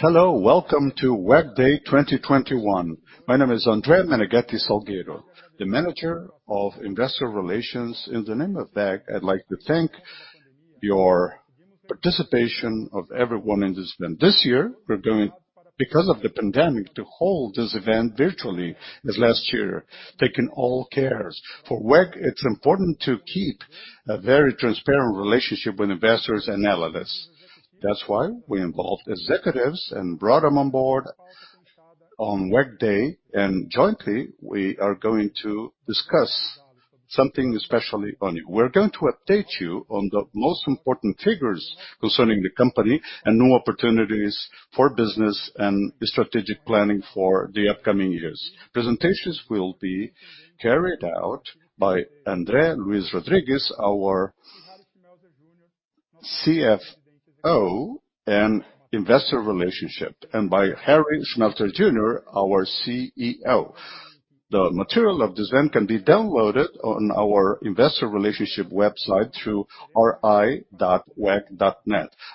Hello, welcome to WEG Day 2021. My name is André Menegueti Salgueiro, the Investor Relations Manager. In the name of WEG, I'd like to thank your participation of everyone in this event. This year, we're going, because of the pandemic, to hold this event virtually, as last year, taking all cares. For WEG, it's important to keep a very transparent relationship with investors and analysts. That's why we involved executives and brought them on board on WEG Day. Jointly, we are going to discuss something especially on you. We're going to update you on the most important figures concerning the company and new opportunities for business and strategic planning for the upcoming years. Presentations will be carried out by André Luís Rodrigues, our CFO and Investor Relations Director, and by Harry Schmelzer Jr., our CEO. The material of this event can be downloaded on our Investor Relations website through ri.weg.net.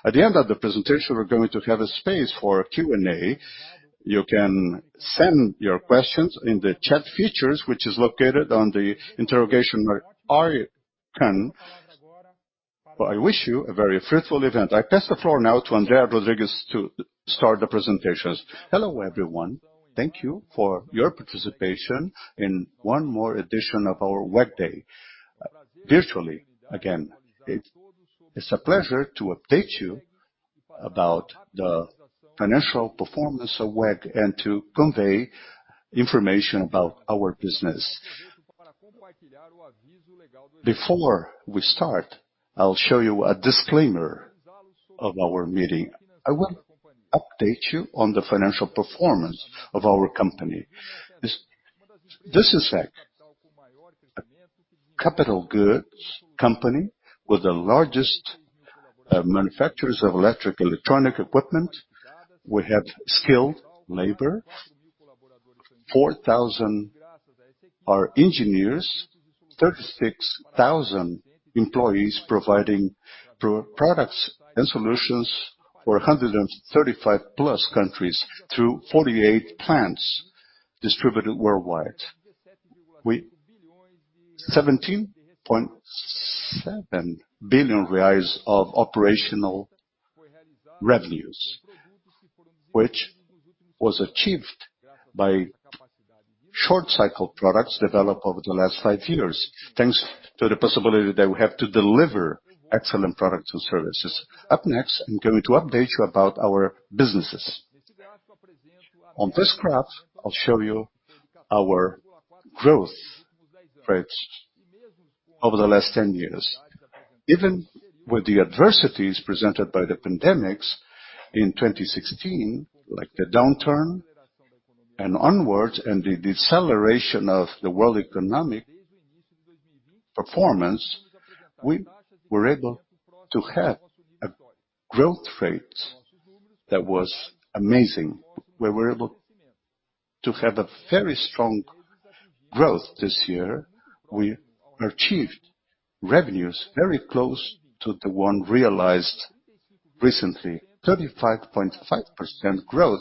At the end of the presentation, we're going to have a space for a Q&A. You can send your questions in the chat features, which is located on the question icon. I wish you a very fruitful event. I pass the floor now to André Luís Rodrigues to start the presentations. Hello everyone, thank you for your participation in one more edition of our WEG Day virtually again. It's a pleasure to update you about the financial performance of WEG and to convey information about our business. Before we start, I'll show you a disclaimer of our meeting. I will update you on the financial performance of our company. This is a capital goods company with the largest manufacturers of electric equipment. We have skilled labor, 4,000 engineers, 36,000 employees providing products and solutions for 135 plus countries through 48 plants distributed worldwide. We have BRL 17.7 billion of operational revenues, which was achieved by short-cycle products developed over the last five years, thanks to the possibility that we have to deliver excellent products and services. Up next, I'm going to update you about our businesses. On this graph, I'll show you our growth rates over the last 10 years. Even with the adversities presented by the pandemics in 2016, like the downturn and onwards and the deceleration of the world economic performance, we were able to have a growth rate that was amazing. We were able to have a very strong growth this year. We achieved revenues very close to the one realized recently, 35.5% growth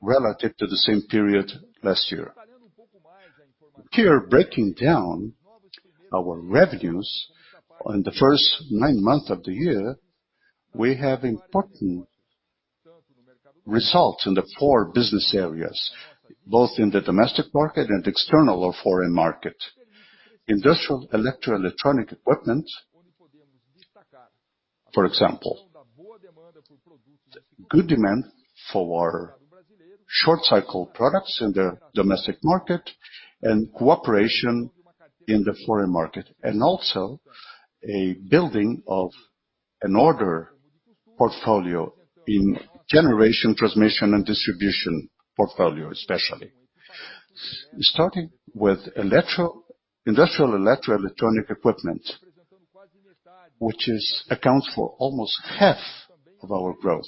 relative to the same period last year. Here, breaking down our revenues in the first nine months of the year, we have important results in the four business areas, both in the domestic market and external or foreign market. Industrial Electronic Equipment, for example, good demand for short-cycle products in the domestic market and cooperation in the foreign market, and also a building of an order portfolio in Generation, Transmission, and Distribution portfolio, especially. Starting with Industrial Electronic Equipment, which accounts for almost half of our growth,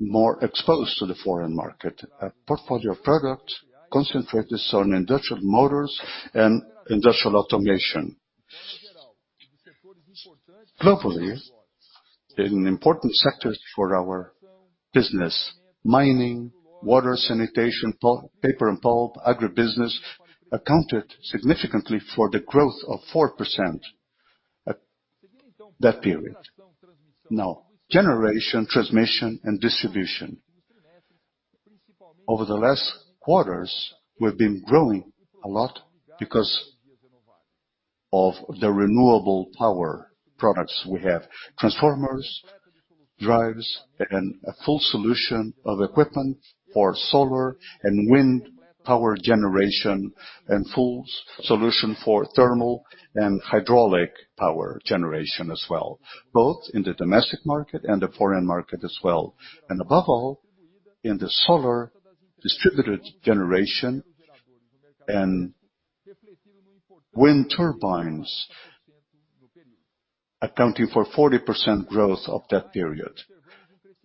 more exposed to the foreign market, a portfolio of products concentrated on industrial motors and industrial automation. Globally, in important sectors for our business, mining, water, sanitation, paper and pulp, agribusiness accounted significantly for the growth of 4% that period. Now, Generation, Transmission, and Distribution. Over the last quarters, we've been growing a lot because of the renewable power products we have: transformers, drives, and a full solution of equipment for solar and wind power generation, and full solution for thermal and hydraulic power generation as well, both in the domestic market and the foreign market as well, and above all, in the solar distributed generation and wind turbines, accounting for 40% growth of that period.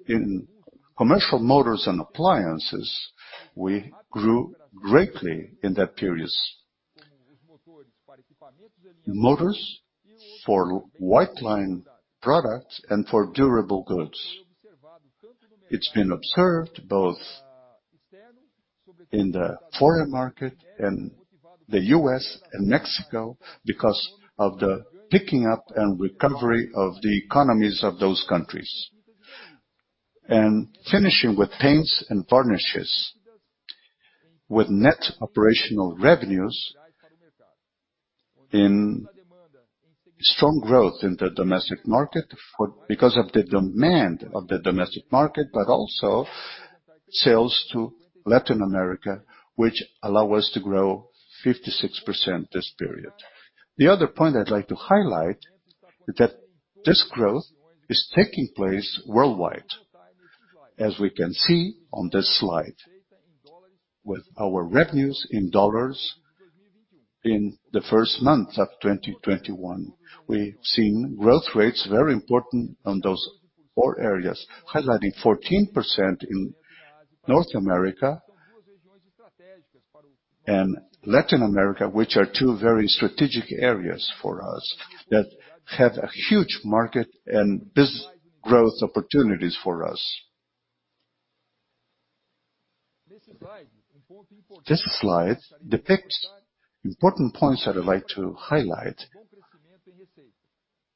In Commercial Motors and Appliances, we grew greatly in that period. Motors for white goods and for durable goods. It's been observed both in the foreign market and the U.S. and Mexico because of the picking up and recovery of the economies of those countries. Finishing with Paints and Varnishes, with net operational revenues in strong growth in the domestic market because of the demand of the domestic market, but also sales to Latin America, which allow us to grow 56% this period. The other point I'd like to highlight is that this growth is taking place worldwide, as we can see on this slide, with our revenues in dollars in the first month of 2021. We've seen growth rates very important on those four areas, highlighting 14% in North America and Latin America, which are two very strategic areas for us that have a huge market and business growth opportunities for us. This slide depicts important points that I'd like to highlight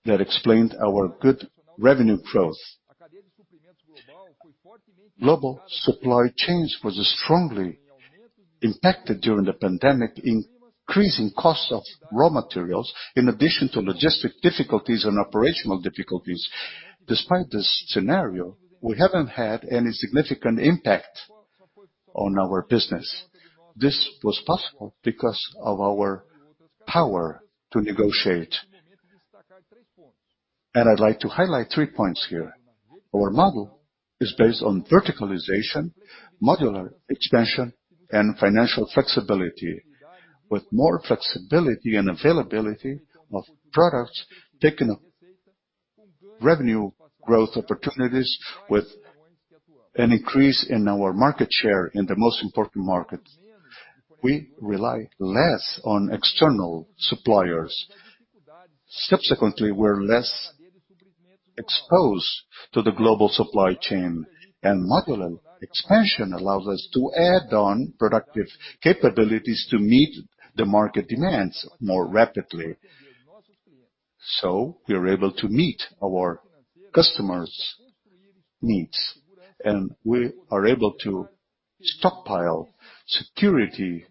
that explain our good revenue growth. Global supply chains were strongly impacted during the pandemic in increasing costs of raw materials, in addition to logistic difficulties and operational difficulties. Despite this scenario, we haven't had any significant impact on our business. This was possible because of our power to negotiate, and I'd like to highlight three points here. Our model is based on verticalization, modular expansion, and financial flexibility, with more flexibility and availability of products taking up revenue growth opportunities with an increase in our market share in the most important markets. We rely less on external suppliers. Subsequently, we're less exposed to the global supply chain, and modular expansion allows us to add on productive capabilities to meet the market demands more rapidly so we are able to meet our customers' needs, and we are able to stockpile security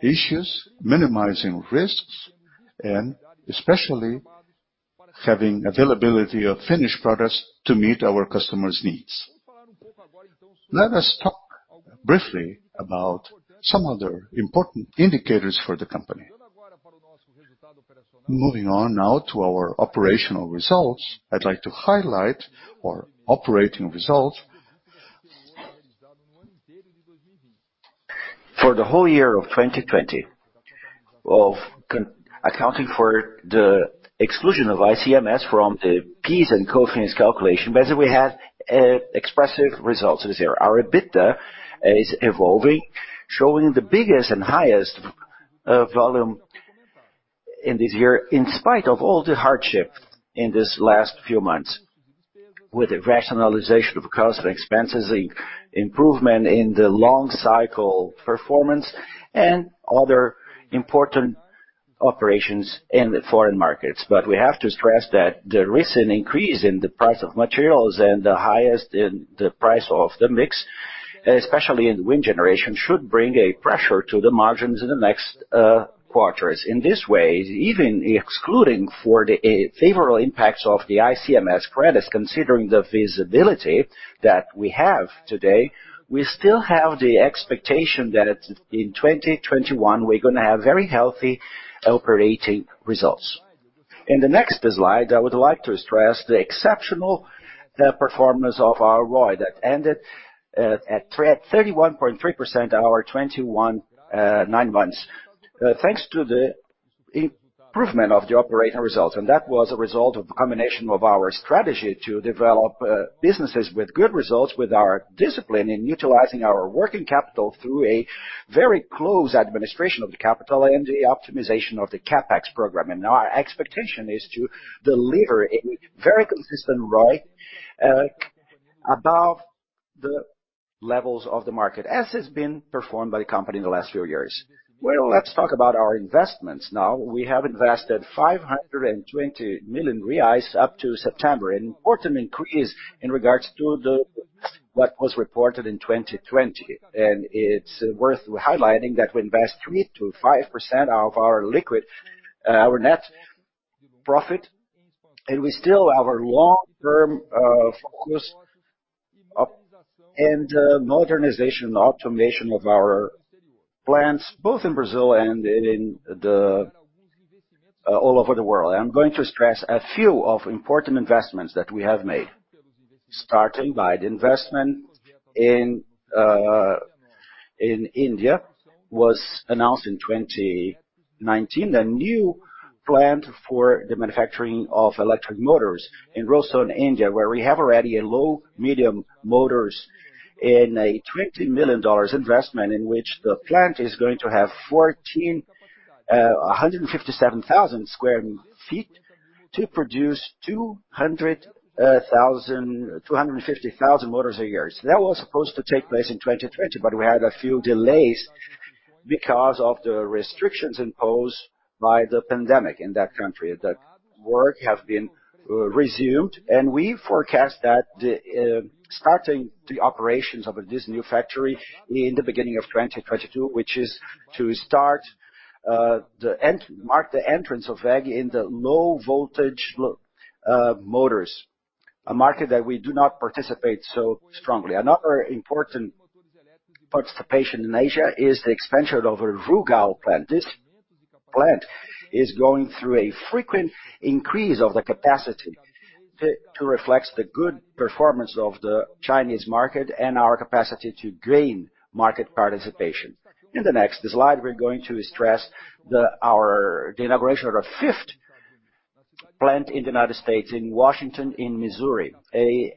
issues, minimizing risks, and especially having availability of finished products to meet our customers' needs. Let us talk briefly about some other important indicators for the company. Moving on now to our operational results, I'd like to highlight our operating results for the whole year of 2020, accounting for the exclusion of ICMS from the PIS and COFINS calculation. Basically, we had expressive results this year. Our EBITDA is evolving, showing the biggest and highest volume in this year in spite of all the hardship in this last few months, with the rationalization of costs and expenses, improvement in the long cycle performance, and other important operations in the foreign markets, but we have to stress that the recent increase in the price of materials and the hike in the price of the mix, especially in wind generation, should bring a pressure to the margins in the next quarters. In this way, even excluding the favorable impacts of the ICMS credit, considering the visibility that we have today, we still have the expectation that in 2021, we're going to have very healthy operating results. In the next slide, I would like to stress the exceptional performance of our ROIC that ended at 31.3% for 2021 nine months, thanks to the improvement of the operating results, and that was a result of the combination of our strategy to develop businesses with good results with our discipline in utilizing our working capital through a very close administration of the capital and the optimization of the CapEx program, and our expectation is to deliver a very consistent ROIC above the levels of the market, as has been performed by the company in the last few years, well, let's talk about our investments now. We have invested 520 million reais up to September, an important increase in regards to what was reported in 2020. And it's worth highlighting that we invest 3%-5% of our liquid, our net profit, and we still have our long-term focus on modernization and automation of our plants, both in Brazil and all over the world. I'm going to stress a few important investments that we have made, starting by the investment in India that was announced in 2019, a new plant for the manufacturing of electric motors in Hosur, India, where we have already low-medium motors in a $20 million investment in which the plant is going to have 157,000 sq ft to produce 250,000 motors a year. So that was supposed to take place in 2020, but we had a few delays because of the restrictions imposed by the pandemic in that country. The work has been resumed, and we forecast that starting the operations of this new factory in the beginning of 2022, which is to start and mark the entrance of WEG in the low-voltage motors, a market that we do not participate so strongly. Another important participation in Asia is the expansion of a Rugao plant. This plant is going through a frequent increase of the capacity to reflect the good performance of the Chinese market and our capacity to gain market participation. In the next slide, we're going to stress the inauguration of the fifth plant in the United States in Washington, in Missouri. A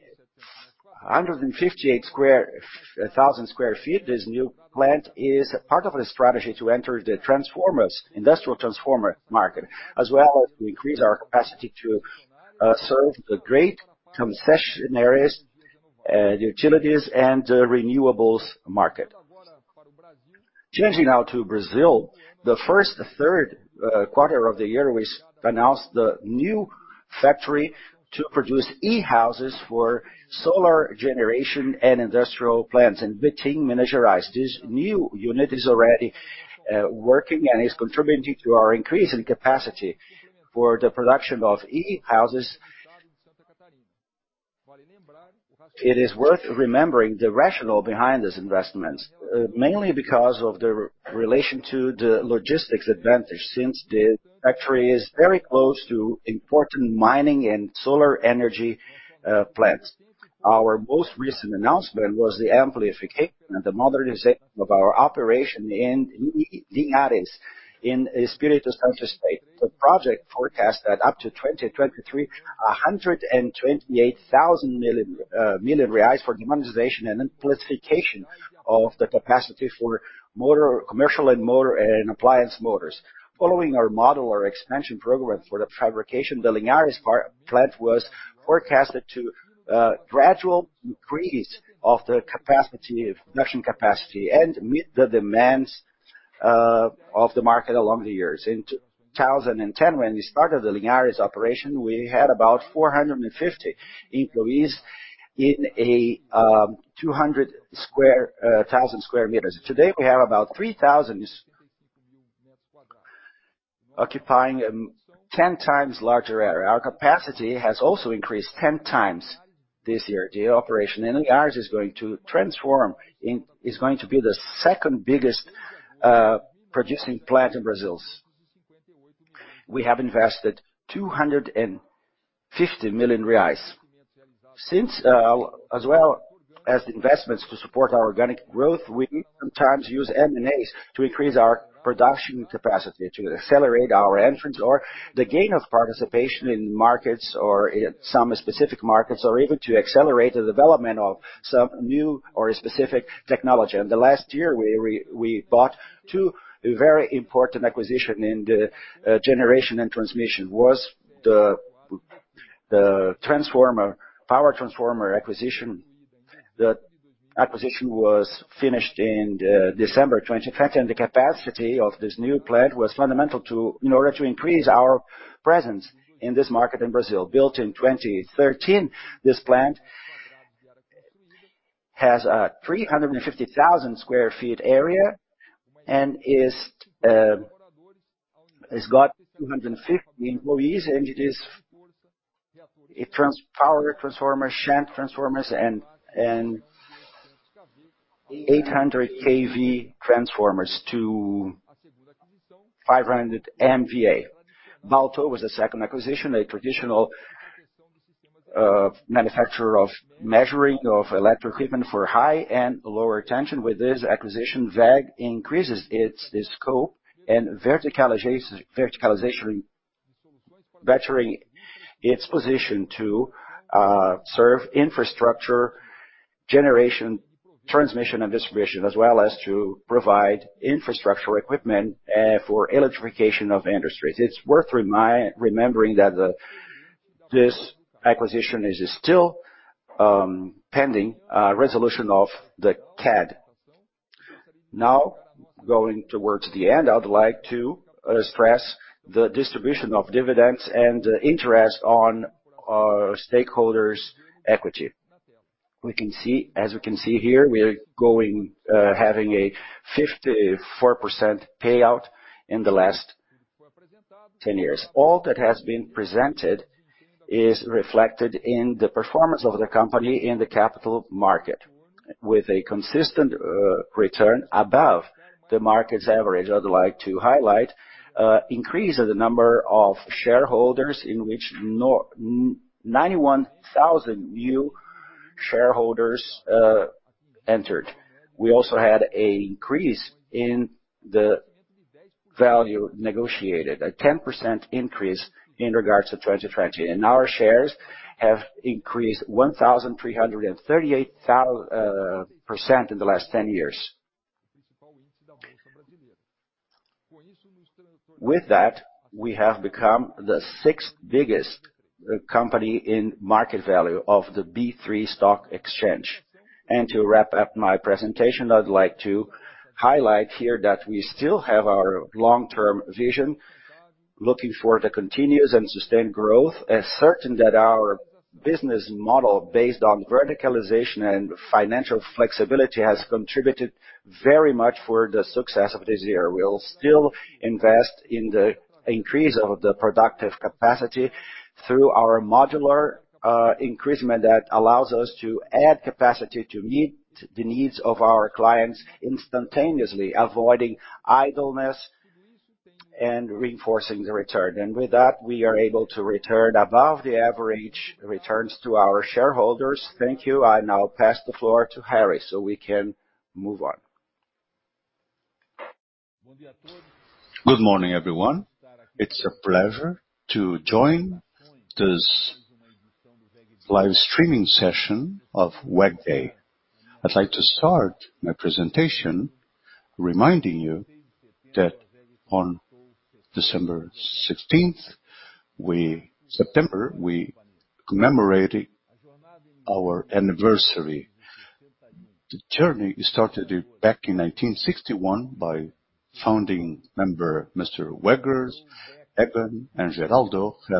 158,000 sq ft, this new plant is part of a strategy to enter the industrial transformer market, as well as to increase our capacity to serve the great concessionaries, utilities, and renewables market. Changing now to Brazil, in the third quarter of the year we announced the new factory to produce e-houses for solar generation and industrial plants in Betim, Minas Gerais. This new unit is already working and is contributing to our increase in capacity for the production of e-houses. It is worth remembering the rationale behind these investments, mainly because of the relation to the logistics advantage, since the factory is very close to important mining and solar energy plants. Our most recent announcement was the amplification and the modernization of our operation in Linhares, in Espírito Santo State. The project forecasts that up to 2023, 128 million for modernization and amplification of the capacity for commercial and appliance motors. Following our model of expansion program for the fabrication, the Linhares plant was forecasted to gradually increase the production capacity and meet the demands of the market along the years. In 2010, when we started the Linhares operation, we had about 450 employees in a 200,000 sq m. Today, we have about 3,000 occupying a 10 times larger area. Our capacity has also increased 10 times this year. The operation in Linhares is going to transform. It is going to be the second biggest producing plant in Brazil. We have invested 250 million reais. As well as the investments to support our organic growth, we sometimes use M&As to increase our production capacity, to accelerate our entrance or the gain of participation in markets or some specific markets, or even to accelerate the development of some new or specific technology. In the last year, we bought two very important acquisitions in the generation and transmission: the power transformer acquisition. The acquisition was finished in December 2020, and the capacity of this new plant was fundamental in order to increase our presence in this market in Brazil. Built in 2013, this plant has a 350,000 sq ft area and has got 250 employees, and it is power transformer, shunt transformers, and 800 kV transformers to 500 MVA. Balteau was a second acquisition, a traditional manufacturer of measuring of electric equipment for high and low tension. With this acquisition, WEG increases its scope and verticalization, bettering its position to serve infrastructure Generation, Transmission, and Distribution, as well as to provide infrastructure equipment for electrification of industries. It's worth remembering that this acquisition is still pending resolution of the CADE. Now, going towards the end, I'd like to stress the distribution of dividends and interest on stakeholders' equity. As we can see here, we are having a 54% payout in the last 10 years. All that has been presented is reflected in the performance of the company in the capital market, with a consistent return above the market's average. I'd like to highlight an increase in the number of shareholders, in which 91,000 new shareholders entered. We also had an increase in the value negotiated, a 10% increase in regards to 2020, and our shares have increased 1,338% in the last 10 years. With that, we have become the sixth biggest company in market value of the B3 stock export, and to wrap up my presentation, I'd like to highlight here that we still have our long-term vision, looking for the continuous and sustained growth, as certain that our business model based on verticalization and financial flexibility has contributed very much to the success of this year. We'll still invest in the increase of the productive capacity through our modular increasement that allows us to add capacity to meet the needs of our clients instantaneously, avoiding idleness and reinforcing the return, and with that, we are able to return above the average returns to our shareholders. Thank you. I now pass the floor to Harry so we can move on. Good morning, everyone. It's a pleasure to join this live streaming session of WEG Day. I'd like to start my presentation reminding you that on September 16th, we commemorated our anniversary. The journey started back in 1961 by founding member Mr. Voigt, Eggon, and Geraldo, who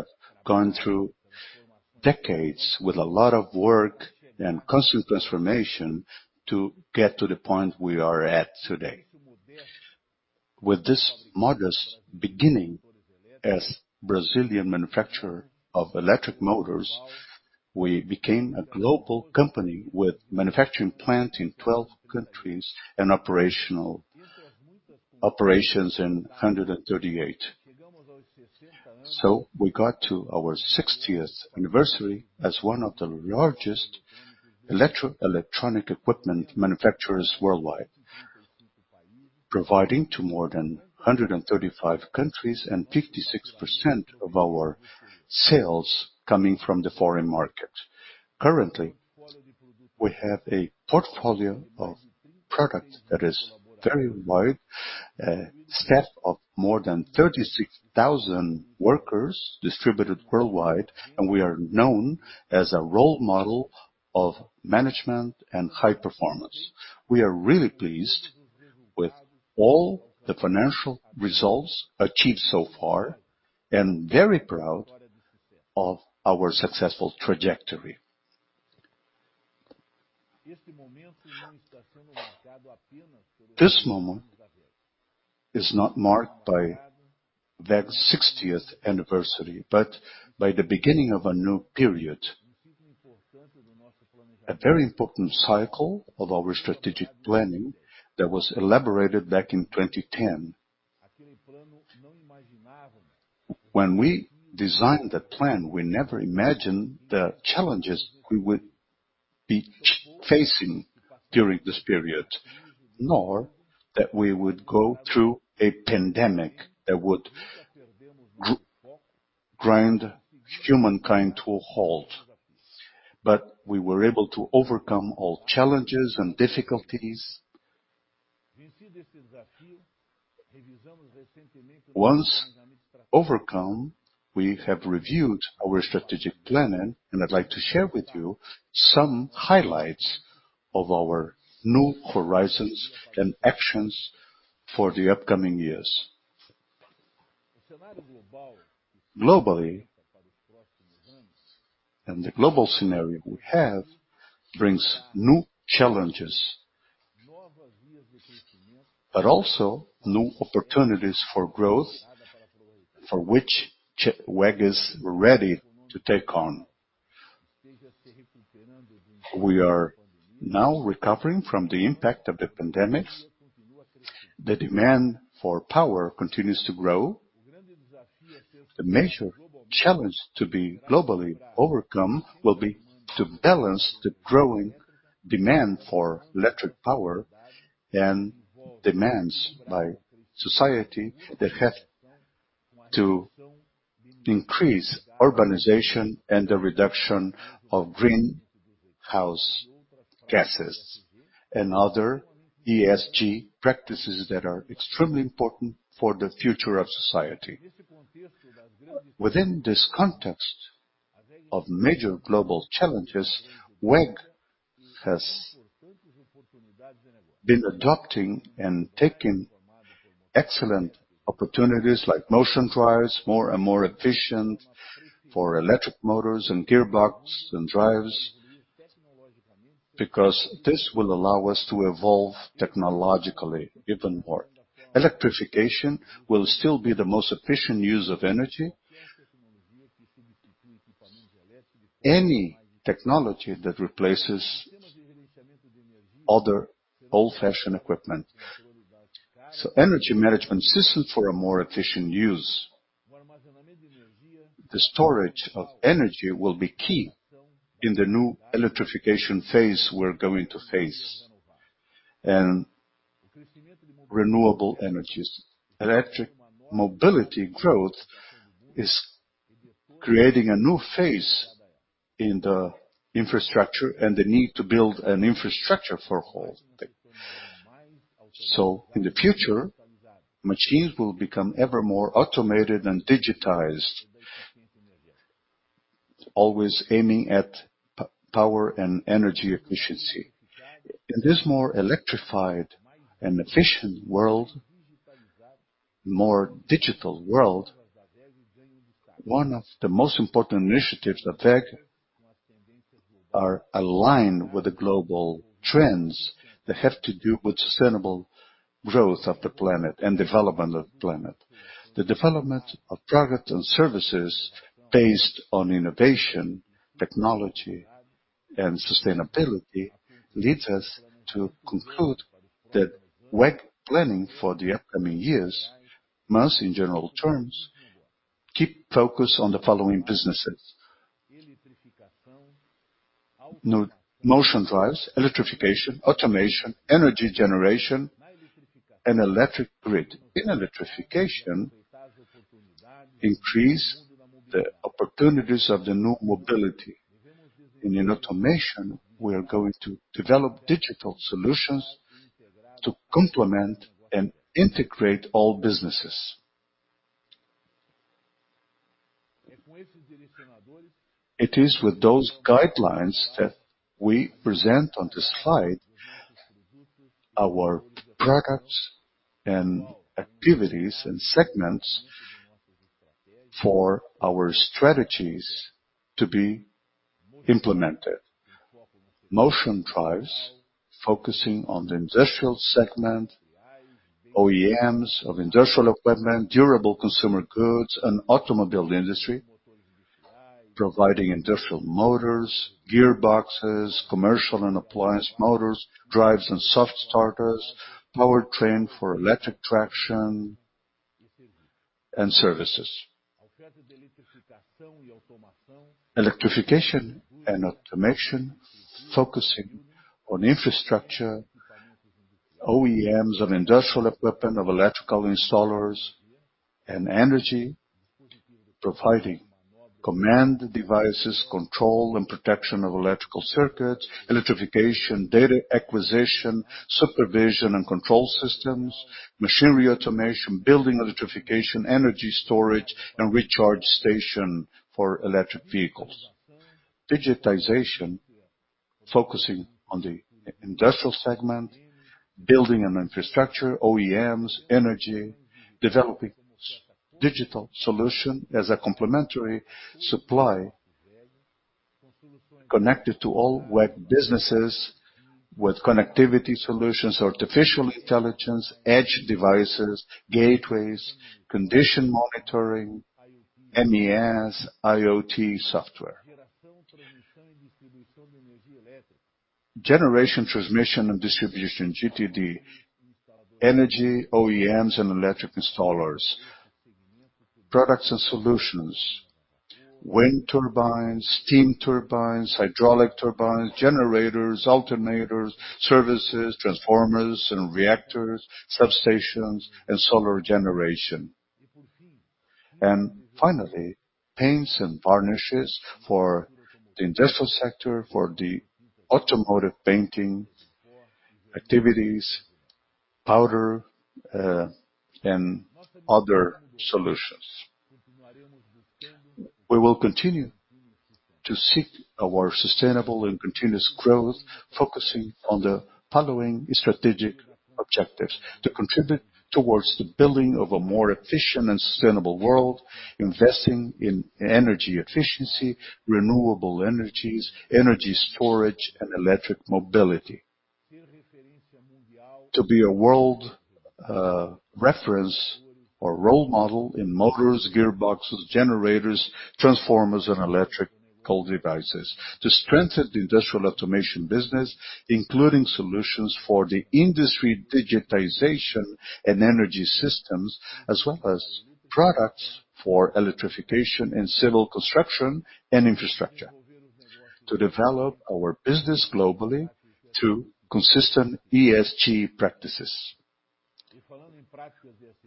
have gone through decades with a lot of work and constant transformation to get to the point we are at today. With this modest beginning as a Brazilian manufacturer of electric motors, we became a global company with a manufacturing plant in 12 countries and operations in 138, so we got to our 60th anniversary as one of the largest electronic equipment manufacturers worldwide, providing to more than 135 countries and 56% of our sales coming from the foreign market. Currently, we have a portfolio of product that is very wide, a staff of more than 36,000 workers distributed worldwide, and we are known as a role model of management and high performance. We are really pleased with all the financial results achieved so far and very proud of our successful trajectory. This moment is not marked by WEG's 60th anniversary, but by the beginning of a new period, a very important cycle of our strategic planning that was elaborated back in 2010. When we designed the plan, we never imagined the challenges we would be facing during this period, nor that we would go through a pandemic that would grind humankind to a halt. But we were able to overcome all challenges and difficulties. Once overcome, we have reviewed our strategic planning, and I'd like to share with you some highlights of our new horizons and actions for the upcoming years. Globally, the global scenario we have brings new challenges, but also new opportunities for growth, for which WEG is ready to take on. We are now recovering from the impact of the pandemic. The demand for power continues to grow. The major challenge to be globally overcome will be to balance the growing demand for electric power and demands by society that have to increase urbanization and the reduction of greenhouse gases and other ESG practices that are extremely important for the future of society. Within this context of major global challenges, WEG has been adopting and taking excellent opportunities like Motion Drives, more and more efficient for electric motors and gearbox and drives, because this will allow us to evolve technologically even more. Electrification will still be the most efficient use of energy. Any technology that replaces other old-fashioned equipment. So energy management systems for a more efficient use. The storage of energy will be key in the new electrification phase we're going to face and renewable energies. Electric mobility growth is creating a new phase in the infrastructure and the need to build an infrastructure for a whole thing. So in the future, machines will become ever more automated and digitized, always aiming at power and energy efficiency. In this more electrified and efficient world, more digital world, one of the most important initiatives of WEG are aligned with the global trends that have to do with sustainable growth of the planet and development of the planet. The development of products and services based on innovation, technology, and sustainability leads us to conclude that WEG planning for the upcoming years, most in general terms, keeps focus on the following businesses: Motion Drives, electrification, automation, energy generation, and electric grid. In electrification, increase the opportunities of the new mobility. In automation, we are going to develop digital solutions to complement and integrate all businesses. It is with those guidelines that we present on this slide our products and activities and segments for our strategies to be implemented. Motion Drives, focusing on the industrial segment, OEMs of industrial equipment, durable consumer goods, and automobile industry, providing industrial motors, gearboxes, commercial and appliance motors, drives and soft starters, powertrain for electric traction and services. Electrification and automation, focusing on infrastructure, OEMs of industrial equipment, of electrical installers and energy, providing command devices, control, and protection of electrical circuits, electrification, data acquisition, supervision and control systems, machinery automation, building electrification, energy storage, and recharge station for electric vehicles. Digitization, focusing on the industrial segment, building and infrastructure, OEMs, energy, developing digital solutions as a complementary supply connected to all WEG businesses with connectivity solutions, artificial intelligence, edge devices, gateways, condition monitoring, MES, IoT software. Generation, Transmission, and Distribution, GTD, energy, OEMs and electric installers, products and solutions, wind turbines, steam turbines, hydraulic turbines, generators, alternators, services, transformers and reactors, substations, and solar generation. And finally, Paints and Varnishes for the industrial sector, for the automotive painting activities, powder, and other solutions. We will continue to seek our sustainable and continuous growth, focusing on the following strategic objectives: to contribute towards the building of a more efficient and sustainable world, investing in energy efficiency, renewable energies, energy storage, and electric mobility. To be a world reference or role model in motors, gearboxes, generators, transformers, and electrical devices. To strengthen the industrial automation business, including solutions for the industry digitization and energy systems, as well as products for electrification in civil construction and infrastructure. To develop our business globally to consistent ESG practices.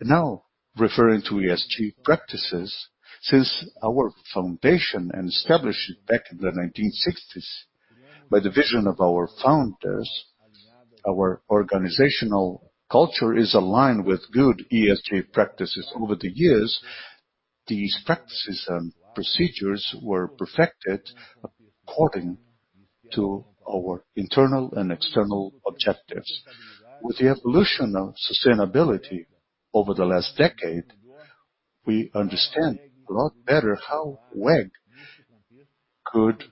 Now, referring to ESG practices, since our foundation and establishment back in the 1960s by the vision of our founders, our organizational culture is aligned with good ESG practices. Over the years, these practices and procedures were perfected according to our internal and external objectives. With the evolution of sustainability over the last decade, we understand a lot better how WEG could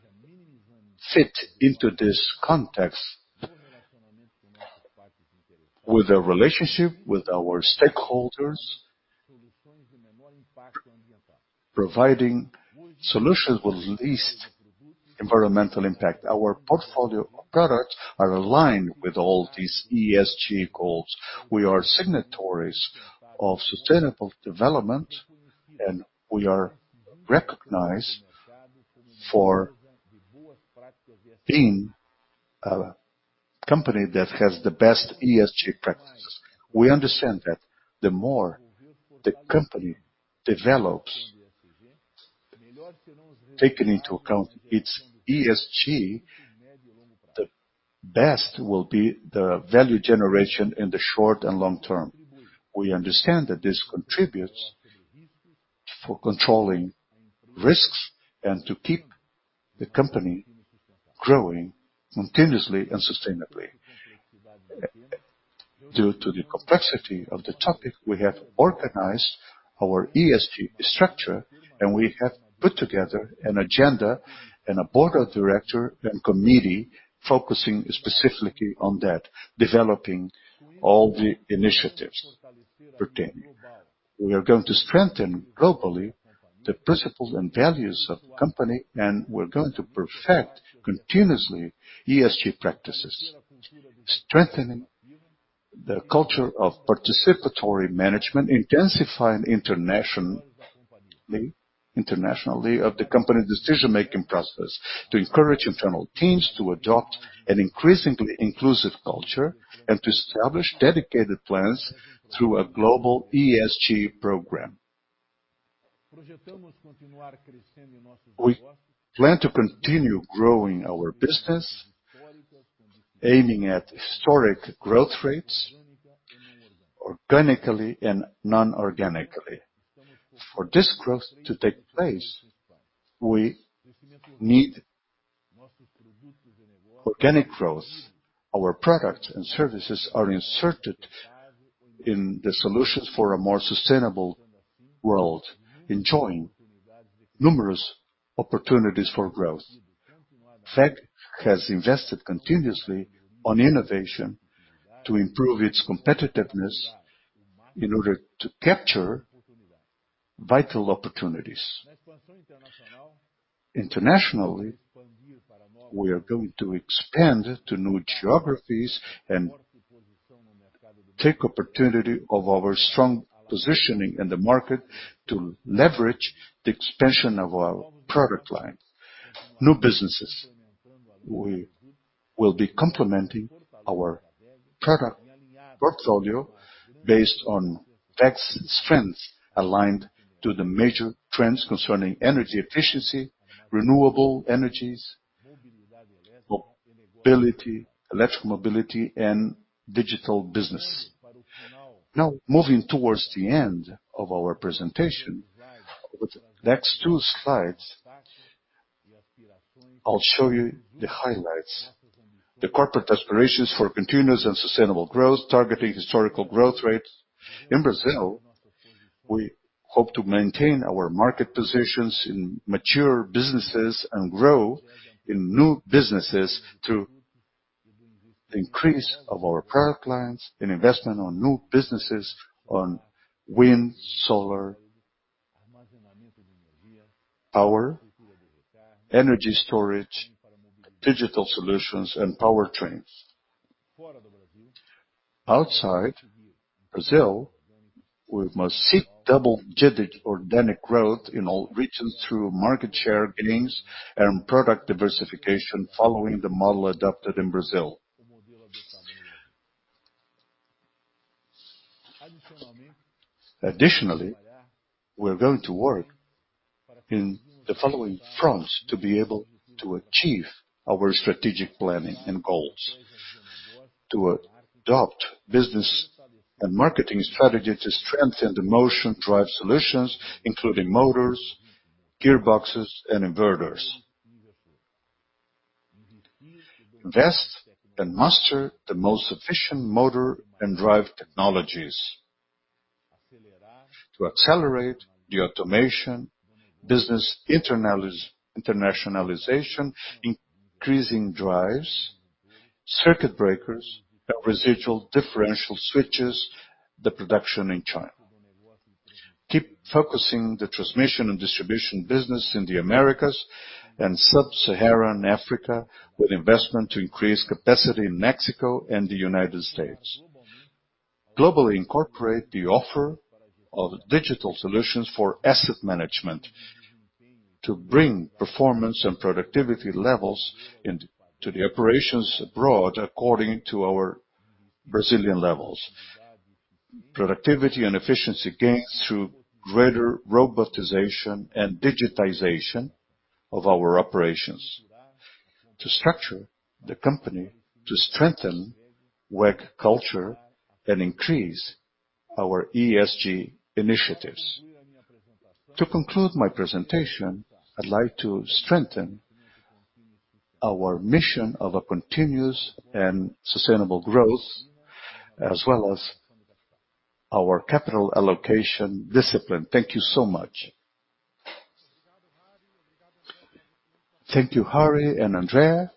fit into this context with a relationship with our stakeholders, providing solutions with the least environmental impact. Our portfolio of products are aligned with all these ESG goals. We are signatories of sustainable development, and we are recognized for being a company that has the best ESG practices. We understand that the more the company develops, taking into account its ESG, the best will be the value generation in the short and long term. We understand that this contributes to controlling risks and to keep the company growing continuously and sustainably. Due to the complexity of the topic, we have organized our ESG structure, and we have put together an agenda and a board of directors and committee focusing specifically on that, developing all the initiatives pertaining. We are going to strengthen globally the principles and values of the company, and we're going to perfect continuously ESG practices, strengthening the culture of participatory management, intensifying internationally of the company's decision-making process, to encourage internal teams to adopt an increasingly inclusive culture, and to establish dedicated plans through a global ESG program. We plan to continue growing our business, aiming at historic growth rates organically and non-organically. For this growth to take place, we need organic growth. Our products and services are inserted in the solutions for a more sustainable world, enjoying numerous opportunities for growth. WEG has invested continuously in innovation to improve its competitiveness in order to capture vital opportunities. Internationally, we are going to expand to new geographies and take the opportunity of our strong positioning in the market to leverage the expansion of our product line. New businesses. We will be complementing our product portfolio based on WEG's strengths aligned to the major trends concerning energy efficiency, renewable energies, electrical mobility, and digital business. Now, moving towards the end of our presentation, over the next two slides, I'll show you the highlights. The corporate aspirations for continuous and sustainable growth targeting historical growth rates. In Brazil, we hope to maintain our market positions in mature businesses and grow in new businesses through the increase of our product lines and investment on new businesses on wind, solar, power, energy storage, digital solutions, and powertrains. Outside Brazil, we must see double-digit organic growth in all regions through market share gains and product diversification following the model adopted in Brazil. Additionally, we're going to work in the following fronts to be able to achieve our strategic planning and goals: to adopt business and marketing strategies to strengthen the Motion Drives solutions, including motors, gearboxes, and inverters. Invest and master the most efficient motor and drive technologies to accelerate the automation, business internationalization, increasing drives, circuit breakers, and residual differential switches. The production in China. Keep focusing the Transmission & Distribution business in the Americas and sub-Saharan Africa with investment to increase capacity in Mexico and the United States. Globally, incorporate the offer of digital solutions for asset management to bring performance and productivity levels to the operations abroad according to our Brazilian levels. Productivity and efficiency gains through greater robotization and digitization of our operations to structure the company to strengthen WEG culture and increase our ESG initiatives. To conclude my presentation, I'd like to strengthen our mission of continuous and sustainable growth, as well as our capital allocation discipline. Thank you so much. Thank you, Harry and André.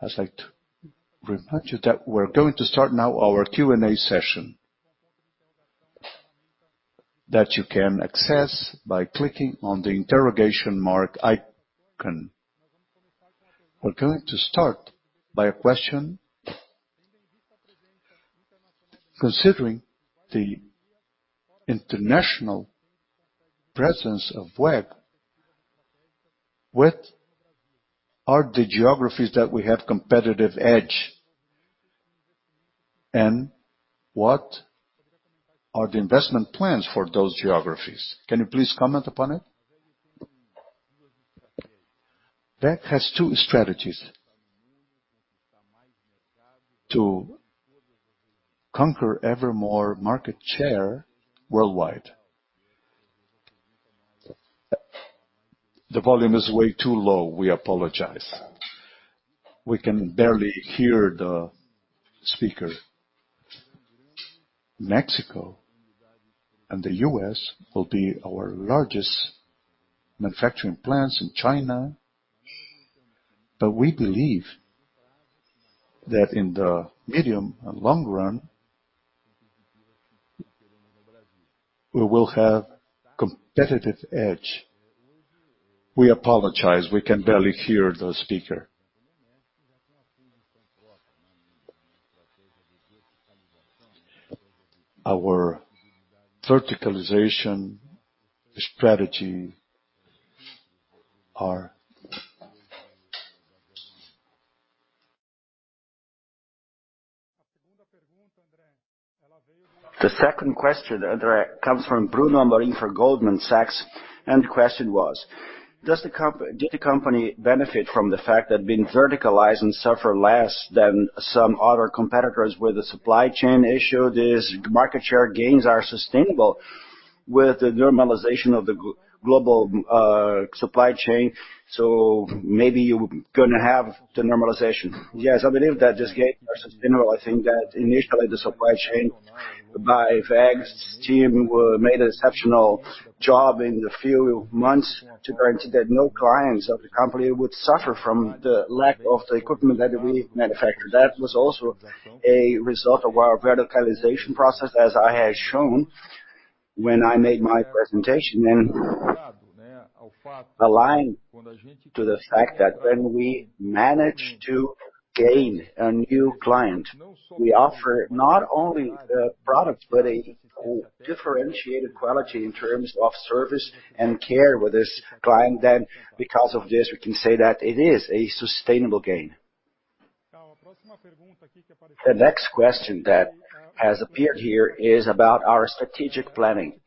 I'd like to remind you that we're going to start now our Q&A session that you can access by clicking on the interrogation mark icon. We're going to start by a question. Considering the international presence of WEG, what are the geographies that we have competitive edge, and what are the investment plans for those geographies? Can you please comment upon it? WEG has two strategies to conquer ever more market share worldwide. Mexico and the US will be our largest manufacturing plants in China, but we believe that in the medium and long run, we will have a competitive edge. Our verticalization strategy are. The second question, André, comes from Bruno Amorim for Goldman Sachs. And the question was, did the company benefit from the fact that being verticalized and suffer less than some other competitors with the supply chain issue? These market share gains are sustainable with the normalization of the global supply chain. So maybe you're going to have the normalization. Yes, I believe that these gains are sustainable. I think that initially, the supply chain by WEG's team made an exceptional job in the few months to guarantee that no clients of the company would suffer from the lack of the equipment that we manufacture. That was also a result of our verticalization process, as I had shown when I made my presentation. And aligned to the fact that when we manage to gain a new client, we offer not only the product, but a differentiated quality in terms of service and care with this client. Then, because of this, we can say that it is a sustainable gain. The next question that has appeared here is about our strategic planning.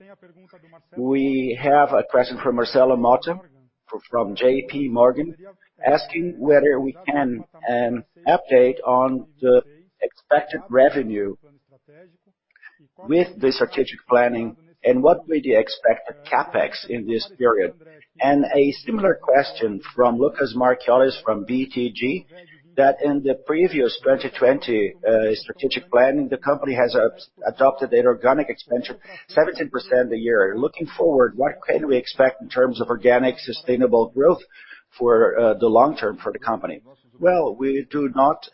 We have a question from Marcelo Motta from JPMorgan asking whether we can update on the expected revenue with the strategic planning and what would be the expected CapEx in this period, and a similar question from Lucas Marquiori from BTG that in the previous 2020 strategic planning, the company has adopted an organic expansion, 17% a year. Looking forward, what can we expect in terms of organic sustainable growth for the long term for the company? Well, we do not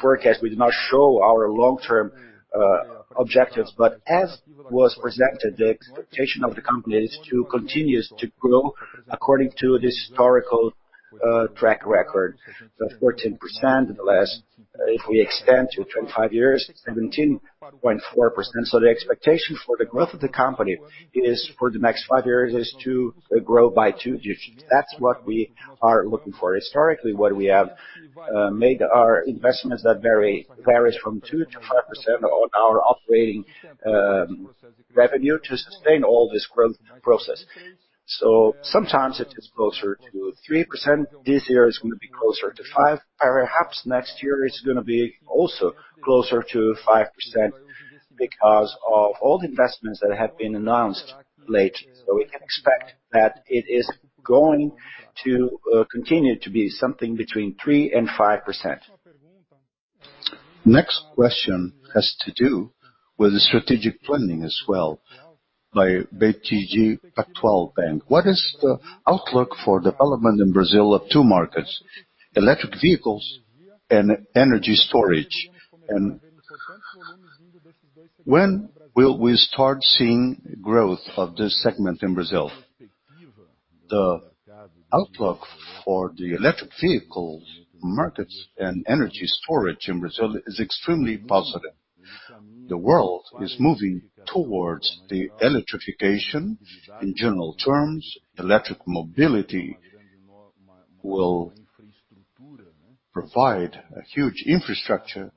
forecast. We do not show our long-term objectives, but as was presented, the expectation of the company is to continue to grow according to the historical track record, 14% in the last, if we extend to 25 years, 17.4%, so the expectation for the growth of the company for the next five years is to grow by two digits. That's what we are looking for. Historically, what we have made are investments that vary from 2-5% on our operating revenue to sustain all this growth process. So sometimes it is closer to 3%. This year is going to be closer to 5%. Perhaps next year is going to be also closer to 5% because of all the investments that have been announced late. So we can expect that it is going to continue to be something between 3-5%. The next question has to do with the strategic planning as well by BTG Pactual. What is the outlook for development in Brazil of two markets, electric vehicles and energy storage? And when will we start seeing growth of this segment in Brazil? The outlook for the electric vehicles markets and energy storage in Brazil is extremely positive. The world is moving towards the electrification. In general terms, electric mobility will provide a huge infrastructure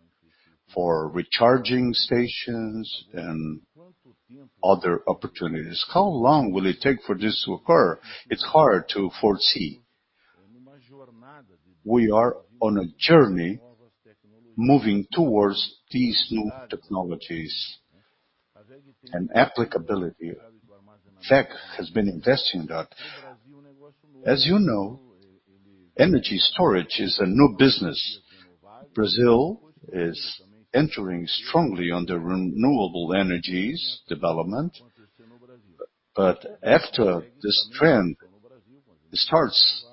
for recharging stations and other opportunities. How long will it take for this to occur? It's hard to foresee. We are on a journey moving towards these new technologies and applicability. WEG has been investing in that. As you know, energy storage is a new business. Brazil is entering strongly on the renewable energies development. But after this trend starts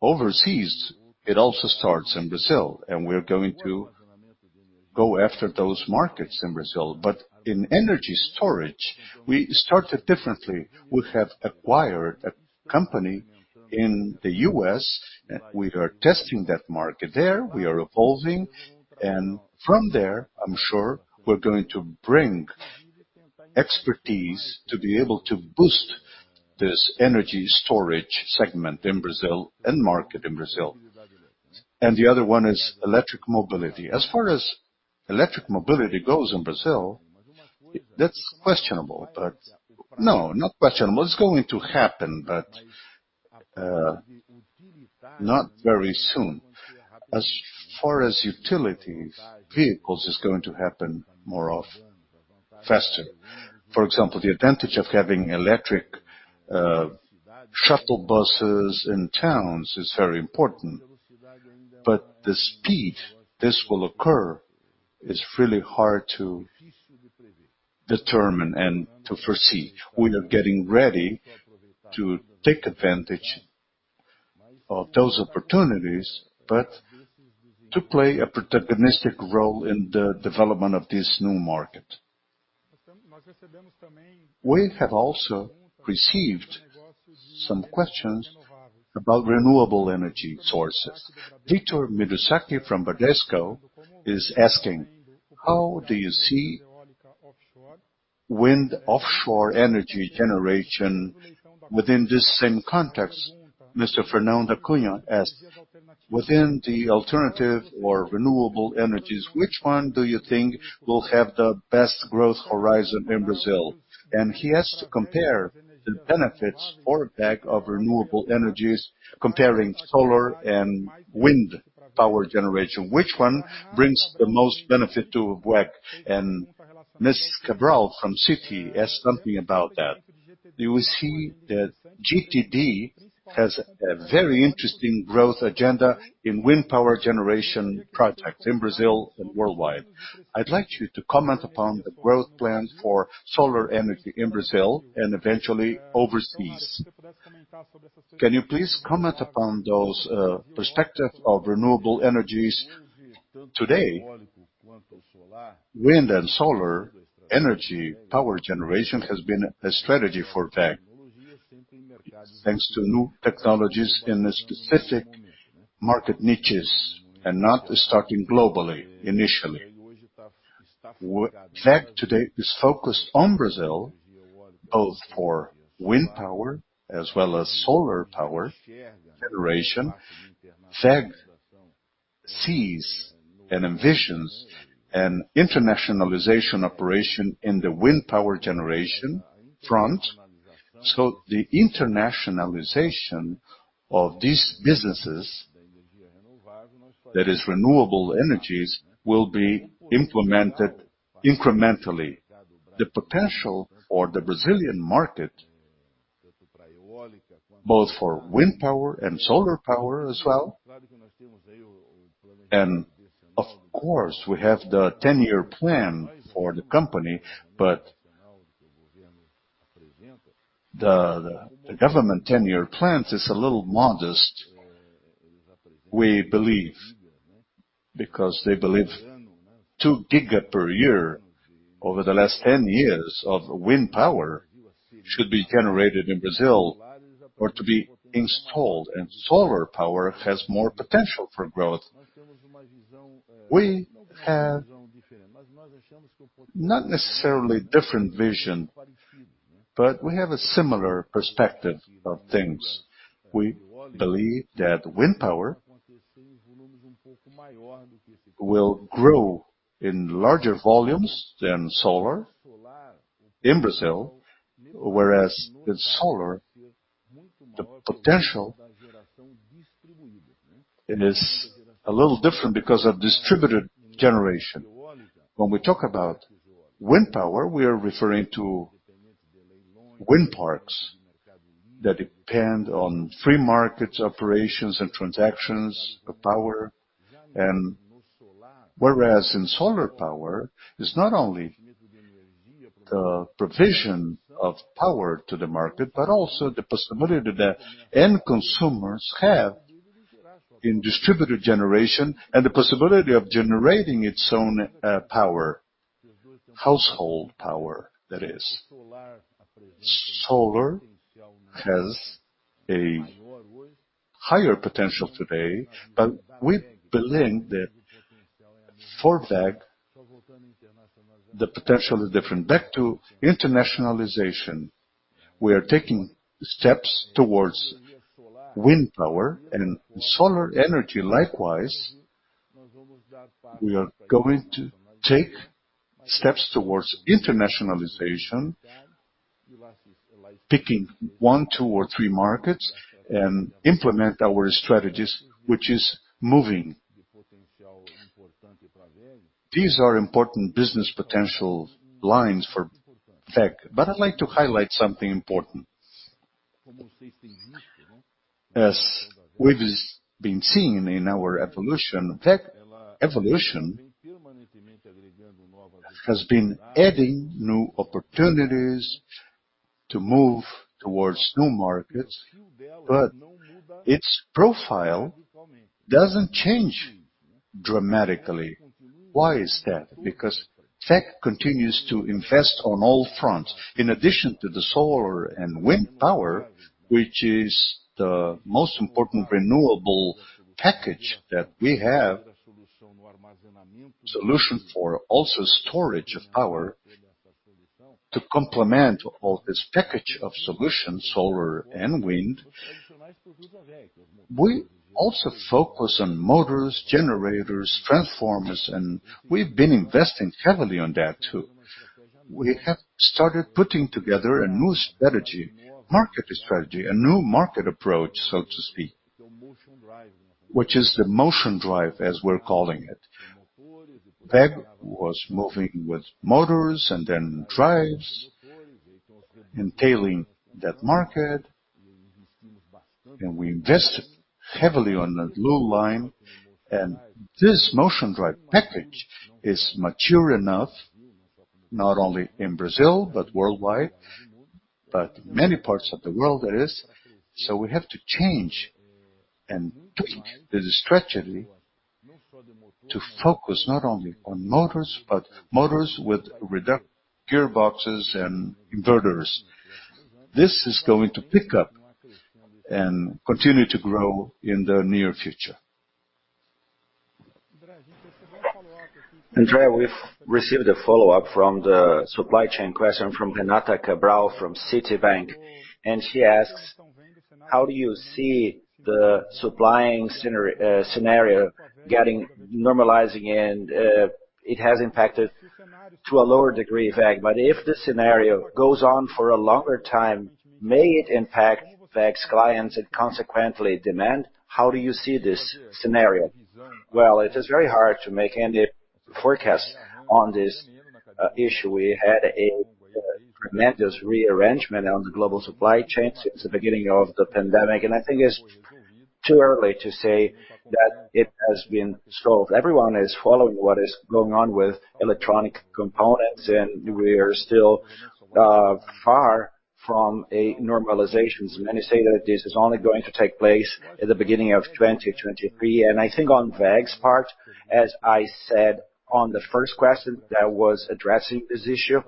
overseas, it also starts in Brazil. And we're going to go after those markets in Brazil. But in energy storage, we started differently. We have acquired a company in the U.S. We are testing that market there. We are evolving. And from there, I'm sure we're going to bring expertise to be able to boost this energy storage segment in Brazil and market in Brazil. And the other one is electric mobility. As far as electric mobility goes in Brazil, that's questionable. But no, not questionable. It's going to happen, but not very soon. As far as utility vehicles is going to happen more often, faster. For example, the advantage of having electric shuttle buses in towns is very important. But the speed this will occur is really hard to determine and to foresee. We are getting ready to take advantage of those opportunities, but to play a protagonistic role in the development of this new market. We have also received some questions about renewable energy sources. Victor Mizusaki from Bradesco is asking, how do you see offshore wind energy generation within this same context? Unknown Speaker asked, within the alternative or renewable energies, which one do you think will have the best growth horizon in Brazil? He has to compare the benefits for WEG of renewable energies, comparing solar and wind power generation. Which one brings the most benefit to WEG? Ms. Cabral from Citi asked something about that. You see that GTD has a very interesting growth agenda in wind power generation projects in Brazil and worldwide. I'd like you to comment upon the growth plan for solar energy in Brazil and eventually overseas. Can you please comment upon those perspectives of renewable energies? Today, wind and solar energy power generation has been a strategy for WEG, thanks to new technologies in specific market niches and not starting globally initially. WEG today is focused on Brazil, both for wind power as well as solar power generation. WEG sees and envisions an internationalization operation in the wind power generation front. The internationalization of these businesses, that is, renewable energies, will be implemented incrementally. The potential for the Brazilian market, both for wind power and solar power as well, and of course, we have the 10-year plan for the company. The government 10-year plan is a little modest, we believe, because they believe 2 gigas per year over the last 10 years of wind power should be generated in Brazil or to be installed. Solar power has more potential for growth. We have not necessarily a different vision, but we have a similar perspective of things. We believe that wind power will grow in larger volumes than solar in Brazil, whereas with solar, the potential is a little different because of distributed generation. When we talk about wind power, we are referring to wind parks that depend on free market operations and transactions of power. Whereas in solar power, it's not only the provision of power to the market, but also the possibility that end consumers have in distributed generation and the possibility of generating its own power, household power, that is. Solar has a higher potential today. We believe that for WEG, the potential is different. Back to internationalization, we are taking steps towards wind power and solar energy likewise. We are going to take steps towards internationalization, picking one, two, or three markets and implement our strategies, which is moving. These are important business potential lines for WEG. I'd like to highlight something important. As we've been seeing in our evolution, WEG evolution has been adding new opportunities to move towards new markets. Its profile doesn't change dramatically. Why is that? Because WEG continues to invest on all fronts. In addition to the solar and wind power, which is the most important renewable package that we have, solution for also storage of power, to complement all this package of solutions, solar and wind, we also focus on motors, generators, transformers. We've been investing heavily on that too. We have started putting together a new strategy, market strategy, a new market approach, so to speak, which is the Motion Drives, as we're calling it. WEG was moving with motors and then drives, entailing that market. We invested heavily on the blue line. This Motion Drives package is mature enough, not only in Brazil, but worldwide, but many parts of the world, that is. We have to change and tweak the strategy to focus not only on motors, but motors with gearboxes and inverters. This is going to pick up and continue to grow in the near future. André, we've received a follow-up from the supply chain question from Renata Cabral from Citibank. She asks, how do you see the supply chain scenario getting normalized? It has impacted WEG to a lower degree. If this scenario goes on for a longer time, may it impact WEG's clients and consequently demand? How do you see this scenario? Well, it is very hard to make any forecast on this issue. We had a tremendous rearrangement on the global supply chain since the beginning of the pandemic. I think it's too early to say that it has been solved. Everyone is following what is going on with electronic components. We are still far from a normalization. Many say that this is only going to take place at the beginning of 2023. I think on WEG's part, as I said on the first question that was addressing this issue,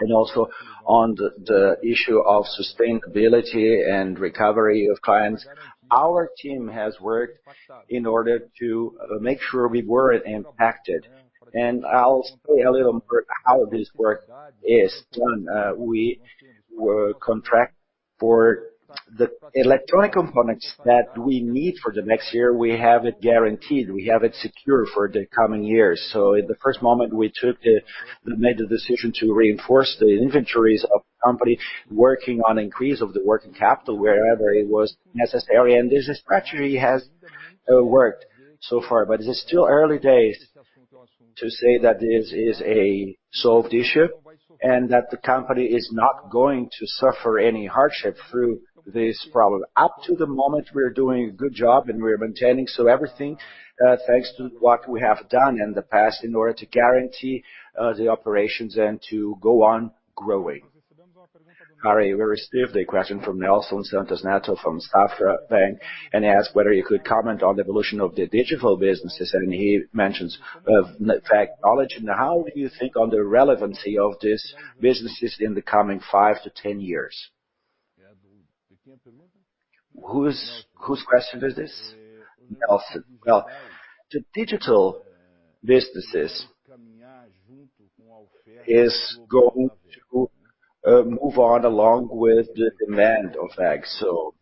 and also on the issue of sustainability and recovery of clients, our team has worked in order to make sure we weren't impacted. I'll say a little more how this work is done. We were contracted for the electronic components that we need for the next year. We have it guaranteed. We have it secure for the coming years. In the first moment, we took the major decision to reinforce the inventories of the company, working on increase of the working capital wherever it was necessary. This strategy has worked so far. It is still early days to say that this is a solved issue and that the company is not going to suffer any hardship through this problem. Up to the moment, we're doing a good job and we're maintaining everything thanks to what we have done in the past in order to guarantee the operations and to go on growing. Harry received a question from Unknown Speaker from Banco Safra. And he asked whether he could comment on the evolution of the digital businesses. And he mentions WEGnology. And how do you think on the relevancy of these businesses in the coming 5 to 10 years? Whose question is this? Nelson. Well, the digital businesses is going to move on along with the demand of WEG. So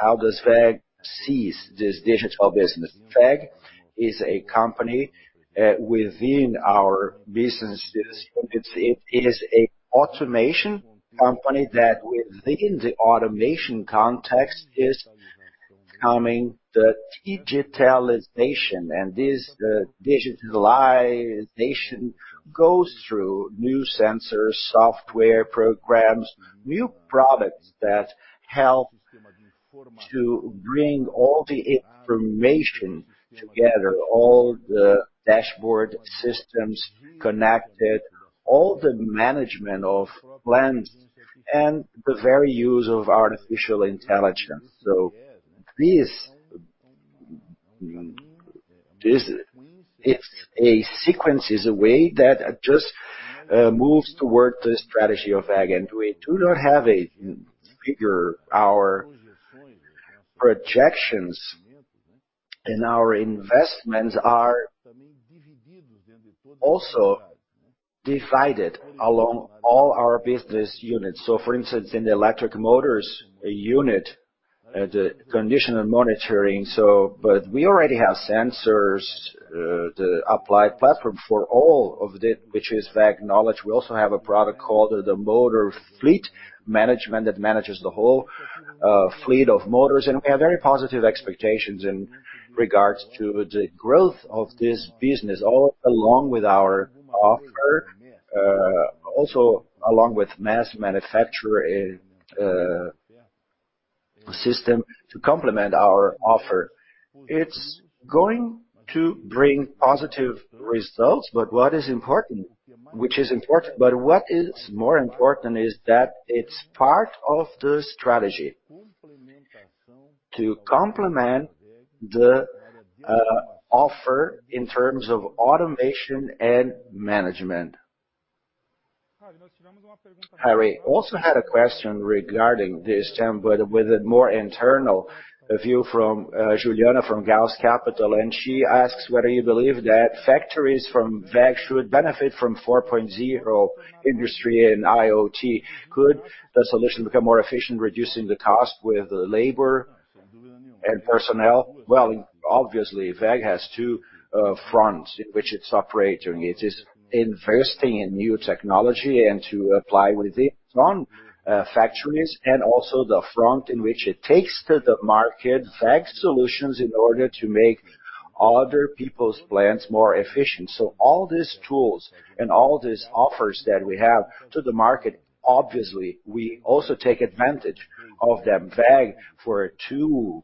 how does WEG see this digital business? WEG is a company within our businesses. It is an automation company that within the automation context is becoming the digitalization. This digitalization goes through new sensors, software programs, new products that help to bring all the information together, all the dashboard systems connected, all the management of plans, and the very use of artificial intelligence. So this is a sequence, is a way that just moves toward the strategy of WEG. And we do not have a bigger our projections and our investments are also divided along all our business units. So for instance, in the electric motors unit, the condition and monitoring. But we already have sensors, the applied platform for all of it, which is WEGnology. We also have a product called the Motion Fleet Management that manages the whole fleet of motors. And we have very positive expectations in regards to the growth of this business, along with our offer, also along with Manufacturing Execution Systems to complement our offer. It's going to bring positive results. But what is important, which is important, but what is more important is that it's part of the strategy to complement the offer in terms of automation and management. Harry also had a question regarding this term, but with a more internal view from Juliana from Citibank. And she asks whether you believe that factories from WEG should benefit from Industry 4.0 and IoT. Could the solution become more efficient, reducing the cost with labor and personnel? Well, obviously, WEG has two fronts in which it's operating. It is investing in new technology and to apply within its own factories and also the front in which it takes to the market WEG solutions in order to make other people's plants more efficient. So all these tools and all these offers that we have to the market, obviously, we also take advantage of them. WEG, for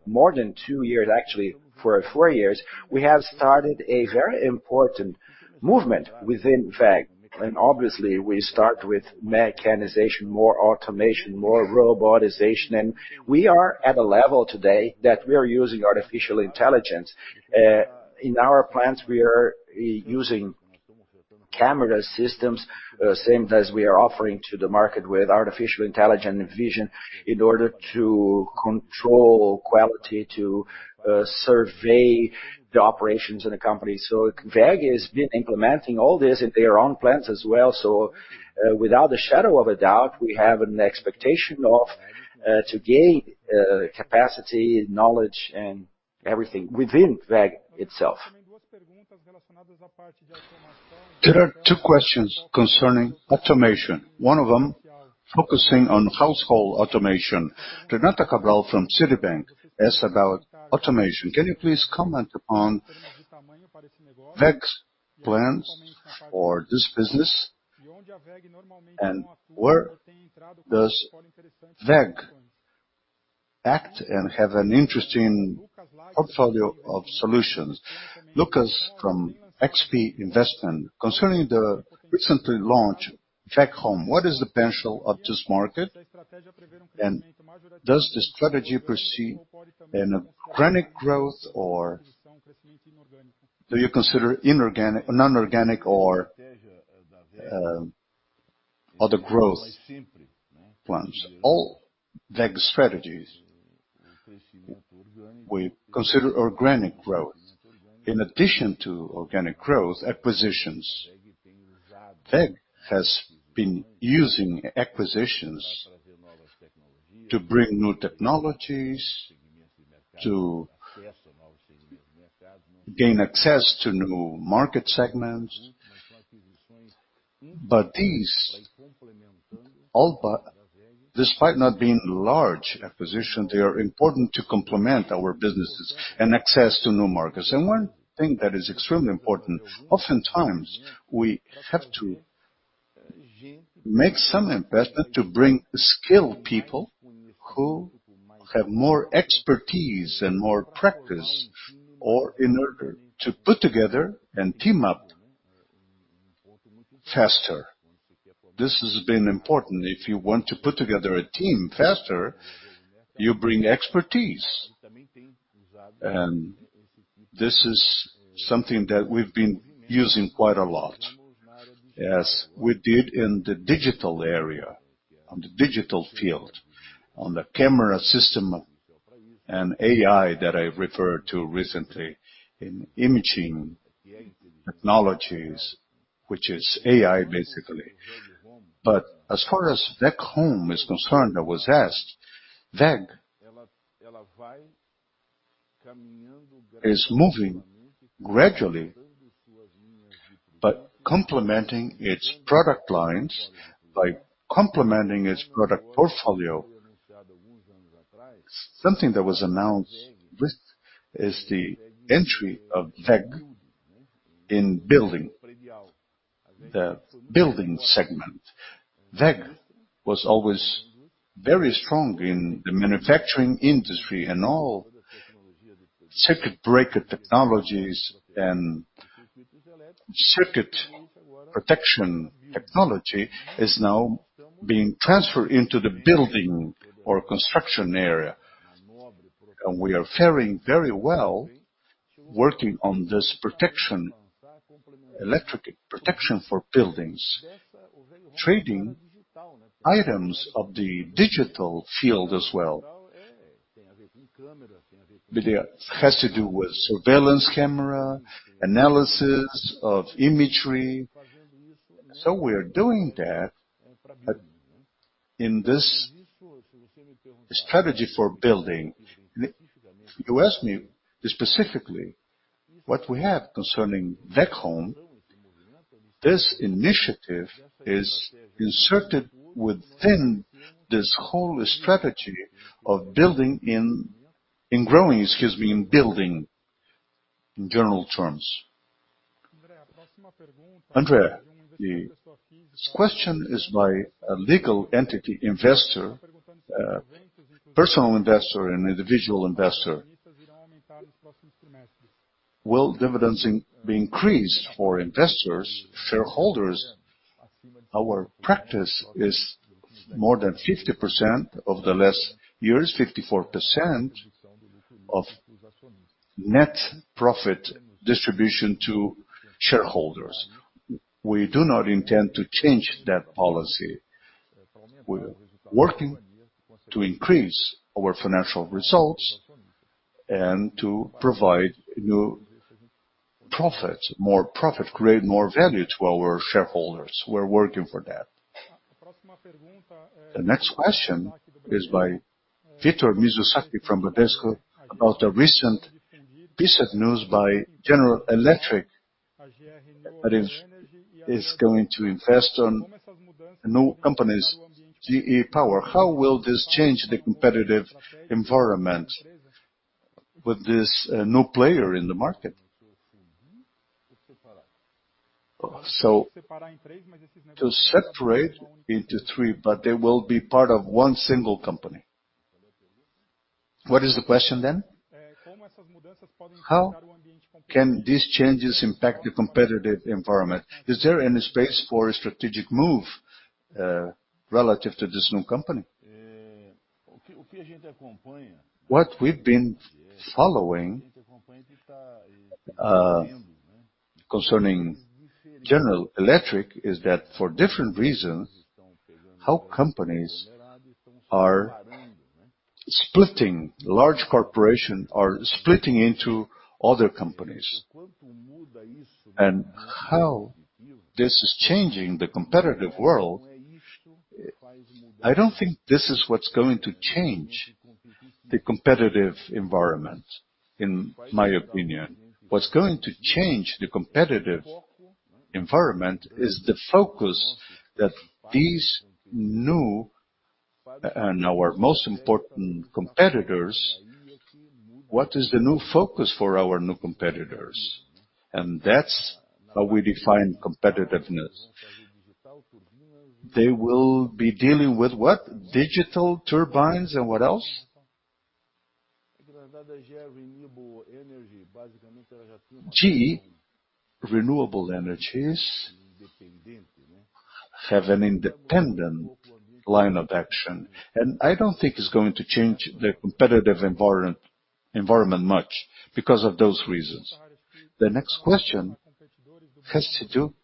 more than two years, actually for four years, we have started a very important movement within WEG. And obviously, we start with mechanization, more automation, more robotization. And we are at a level today that we are using artificial intelligence. In our plants, we are using camera systems, same as we are offering to the market with artificial intelligence and vision in order to control quality, to survey the operations in the company. So WEG has been implementing all this in their own plants as well. So without a shadow of a doubt, we have an expectation of to gain capacity, knowledge, and everything within WEG itself. There are two questions concerning automation. One of them focusing on household automation. Renata Cabral from Citibank asked about automation. Can you please comment upon WEG's plans or this business and where does WEG act and have an interesting portfolio of solutions? Lucas from XP Investments, concerning the recently launched WEG Home, what is the potential of this market? And does the strategy pursue an organic growth, or do you consider non-organic or other growth plans? All WEG strategies, we consider organic growth. In addition to organic growth, acquisitions. WEG has been using acquisitions to bring new technologies, to gain access to new market segments. But these, despite not being large acquisitions, they are important to complement our businesses and access to new markets, and one thing that is extremely important, oftentimes we have to make some investment to bring skilled people who have more expertise and more practice in order to put together and team up faster. This has been important. If you want to put together a team faster, you bring expertise. And this is something that we've been using quite a lot, as we did in the digital area, on the digital field, on the camera system and AI that I referred to recently in imaging technologies, which is AI, basically. But as far as WEG Home is concerned, I was asked. WEG is moving gradually, but complementing its product lines by complementing its product portfolio. Something that was announced, which is the entry of WEG in building, the building segment. WEG was always very strong in the manufacturing industry and all circuit breaker technologies and circuit protection technology is now being transferred into the building or construction area. And we are faring very well working on this protection, electric protection for buildings, trading items of the digital field as well. It has to do with surveillance camera, analysis of imagery. So we are doing that in this strategy for building. You asked me specifically what we have concerning WEG Home. This initiative is inserted within this whole strategy of building in growing, excuse me, in building in general terms. André, this question is by a legal entity investor, personal investor, and individual investor. Will dividends be increased for investors, shareholders? Our practice is more than 50% of the last years, 54% of net profit distribution to shareholders. We do not intend to change that policy. We are working to increase our financial results and to provide new profits, more profit, create more value to our shareholders. We're working for that. The next question is by Victor Mizusaki from Bradesco BBI about the recent piece of news by General Electric, that is going to invest in new companies, GE Power. How will this change the competitive environment with this new player in the market? So, to separate into three, but they will be part of one single company. What is the question then? Can these changes impact the competitive environment? Is there any space for a strategic move relative to this new company? What we've been following concerning General Electric is that for different reasons, how companies are splitting, large corporations are splitting into other companies and how this is changing the competitive world. I don't think this is what's going to change the competitive environment, in my opinion. What's going to change the competitive environment is the focus that these new and our most important competitors, what is the new focus for our new competitors and that's how we define competitiveness. They will be dealing with what? Digital turbines and what else? GE Renewable Energy has an independent line of action, and I don't think it's going to change the competitive environment much because of those reasons. The next question has to do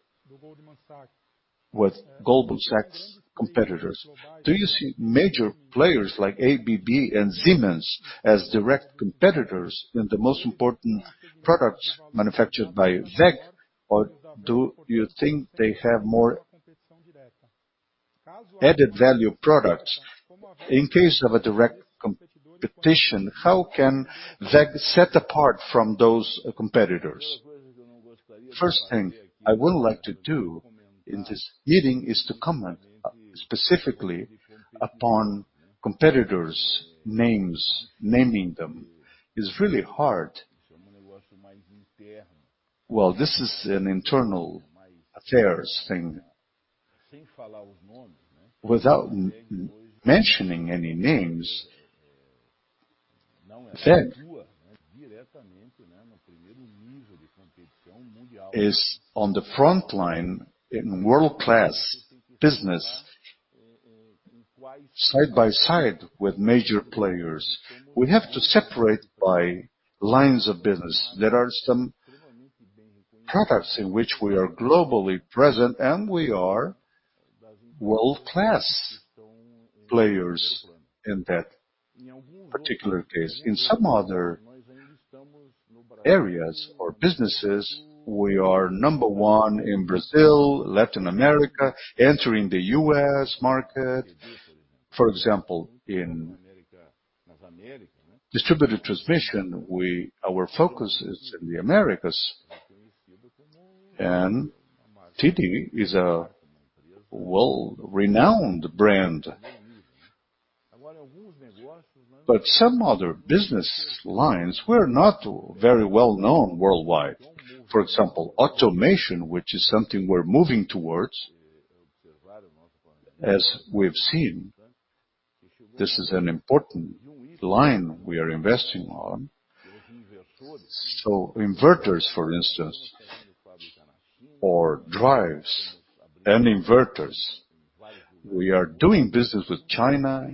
with Goldman Sachs competitors. Do you see major players like ABB and Siemens as direct competitors in the most important products manufactured by WEG, or do you think they have more added value products? In case of a direct competition, how can WEG set apart from those competitors? First thing I would like to do in this meeting is to comment specifically upon competitors' names, naming them. It's really hard. This is an internal affairs thing. Without mentioning any names, WEG is on the front line in world-class business, side by side with major players. We have to separate by lines of business. There are some products in which we are globally present, and we are world-class players in that particular case. In some other areas or businesses, we are number one in Brazil, Latin America, entering the U.S. market. For example, in Transmission & Distribution, our focus is in the Americas, and T&D is a well-renowned brand, but some other business lines were not very well-known worldwide. For example, automation, which is something we're moving towards, as we've seen. This is an important line we are investing on, so inverters, for instance, or drives, and inverters. We are doing business with China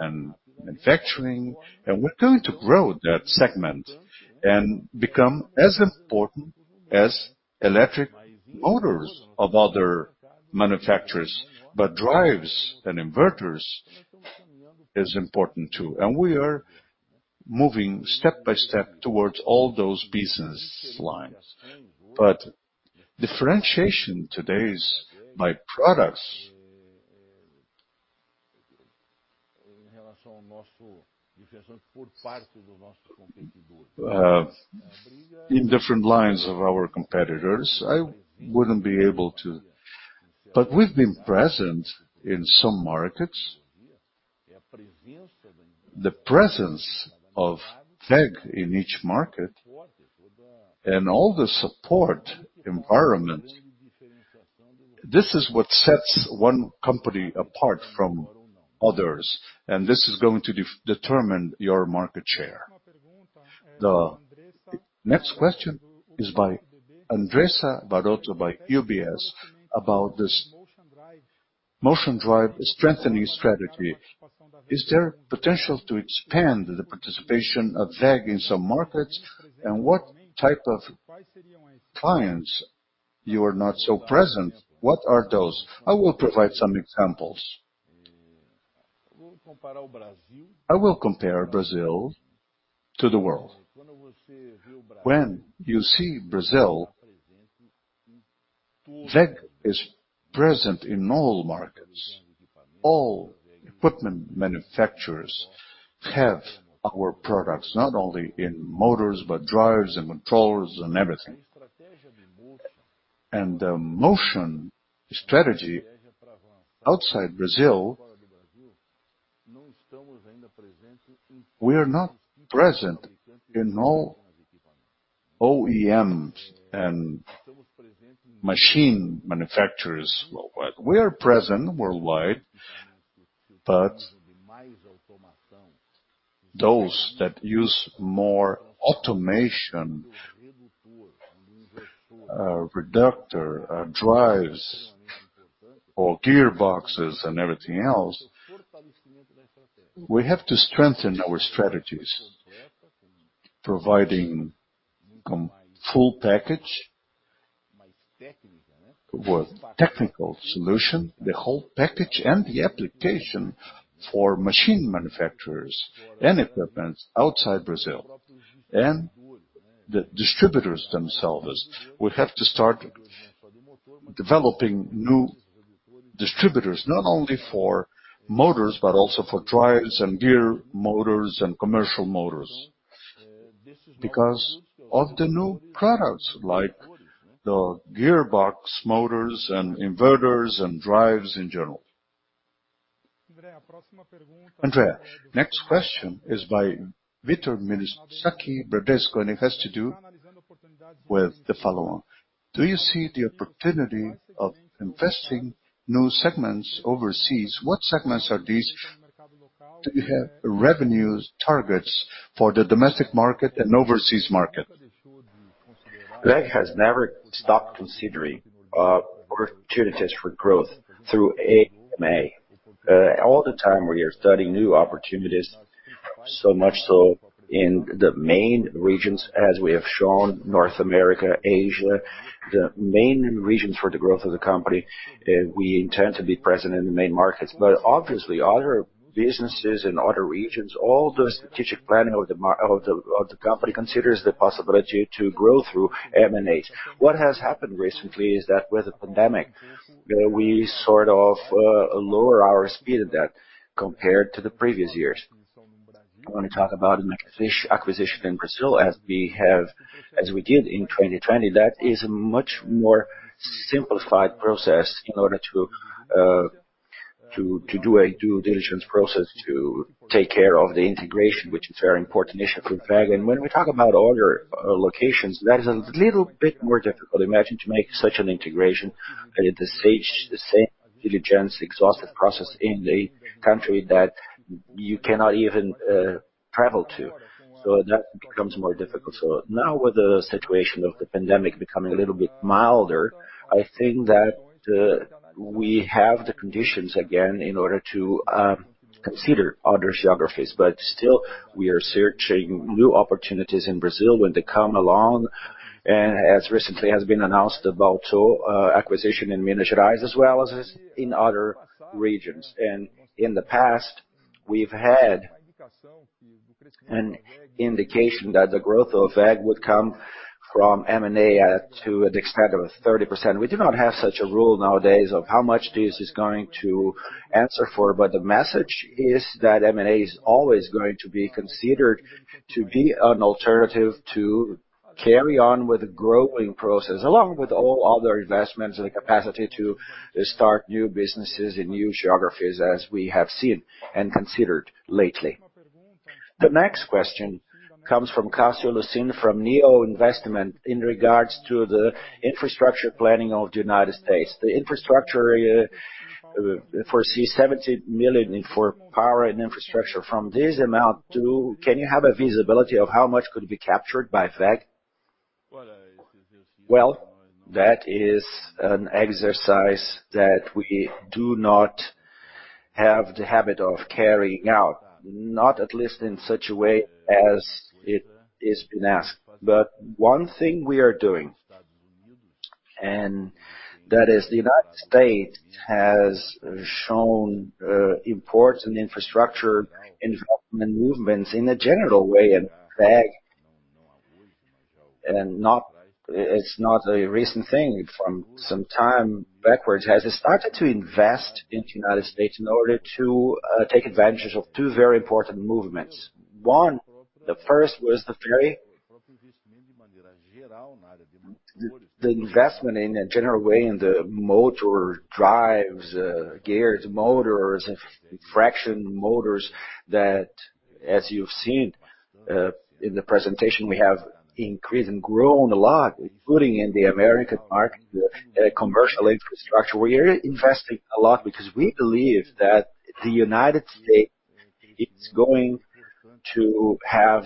and manufacturing, and we're going to grow that segment and become as important as electric motors of other manufacturers, but drives and inverters are important too, and we are moving step by step towards all those business lines, but differentiation today is by products in different lines of our competitors. I wouldn't be able to. But we've been present in some markets. The presence of WEG in each market and all the support environment, this is what sets one company apart from others. And this is going to determine your market share. The next question is by Andressa Varotto from UBS about this Motion Drives strengthening strategy. Is there potential to expand the participation of WEG in some markets? And what type of clients you are not so present? What are those? I will provide some examples. I will compare Brazil to the world. When you see Brazil, WEG is present in all markets. All equipment manufacturers have our products, not only in motors, but drives and controllers and everything. And the motion strategy outside Brazil, we are not present in all OEMs and machine manufacturers. We are present worldwide, but those that use more automation, reducers, drives, or gearboxes and everything else, we have to strengthen our strategies, providing a full package with technical solutions, the whole package, and the application for machine manufacturers and equipment outside Brazil and the distributors themselves. We have to start developing new distributors, not only for motors, but also for drives and gear motors and commercial motors because of the new products like the gearbox motors and inverters and drives in general. André, next question is by Victor Mizusaki from Bradesco and he has to do with the following. Do you see the opportunity of investing in new segments overseas? What segments are these? Do you have revenue targets for the domestic market and overseas market? WEG has never stopped considering opportunities for growth through M&A. All the time, we are studying new opportunities, so much so in the main regions, as we have shown, North America, Asia, the main regions for the growth of the company. We intend to be present in the main markets, but obviously, other businesses in other regions, all the strategic planning of the company considers the possibility to grow through M&As. What has happened recently is that with the pandemic, we sort of lower our speed of that compared to the previous years. I want to talk about an acquisition in Brazil, as we did in 2020. That is a much more simplified process in order to do a due diligence process to take care of the integration, which is a very important issue for WEG, and when we talk about other locations, that is a little bit more difficult. Imagine to make such an integration. It is the same diligence, exhaustive process in a country that you cannot even travel to. So that becomes more difficult. So now, with the situation of the pandemic becoming a little bit milder, I think that we have the conditions again in order to consider other geographies. But still, we are searching new opportunities in Brazil when they come along. And as recently has been announced about acquisition in Minas Gerais as well as in other regions. And in the past, we've had an indication that the growth of WEG would come from M&A to an extent of 30%. We do not have such a rule nowadays of how much this is going to answer for. The message is that M&A is always going to be considered to be an alternative to carry on with the growing process, along with all other investments and the capacity to start new businesses in new geographies, as we have seen and considered lately. The next question comes from Cassio Lucin from Neo Investimentos in regards to the infrastructure planning of the United States. The infrastructure foresees $70 billion for power and infrastructure. From this amount, can you have a visibility of how much could be captured by WEG? That is an exercise that we do not have the habit of carrying out, not at least in such a way as it has been asked. One thing we are doing is that the United States has shown important infrastructure and movements in a general way. WEG, and it's not a recent thing from some time backwards, has started to invest in the United States in order to take advantage of two very important movements. One, the first was the very investment in a general way in the motor drives, gears, motors, and fractional motors that, as you've seen in the presentation, we have increased and grown a lot, including in the American market, commercial infrastructure. We are investing a lot because we believe that the United States is going to have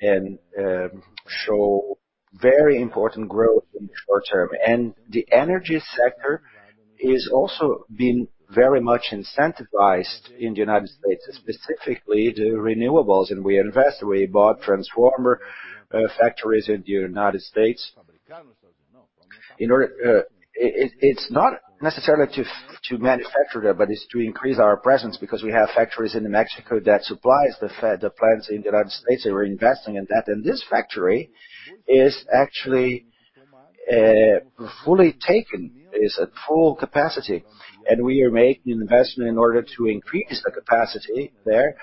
and show very important growth in the short term. The energy sector has also been very much incentivized in the United States, specifically the renewables. We invested. We bought transformer factories in the United States. It's not necessarily to manufacture them, but it's to increase our presence because we have factories in Mexico that supply the plants in the United States. We're investing in that. And this factory is actually fully taken, is at full capacity. And we are making an investment in order to increase the capacity there.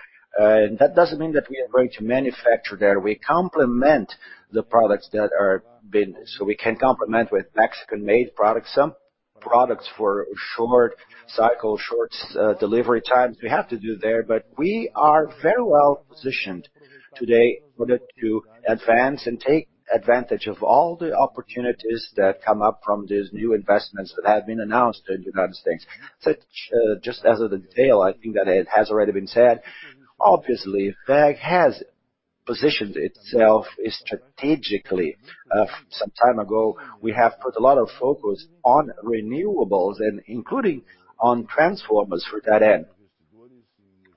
And that doesn't mean that we are going to manufacture there. We complement the products that are being. So we can complement with Mexican-made products, some products for short cycles, short delivery times we have to do there. But we are very well positioned today to advance and take advantage of all the opportunities that come up from these new investments that have been announced in the United States. Just as a detail, I think that it has already been said. Obviously, WEG has positioned itself strategically. Some time ago, we have put a lot of focus on renewables and including on transformers for that end.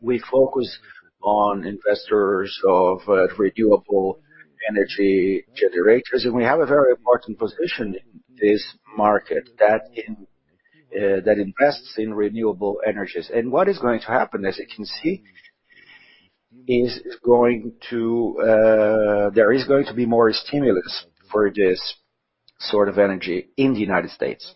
We focus on inverters of renewable energy generators. We have a very important position in this market that invests in renewable energies. What is going to happen, as you can see, is going to be more stimulus for this sort of energy in the United States.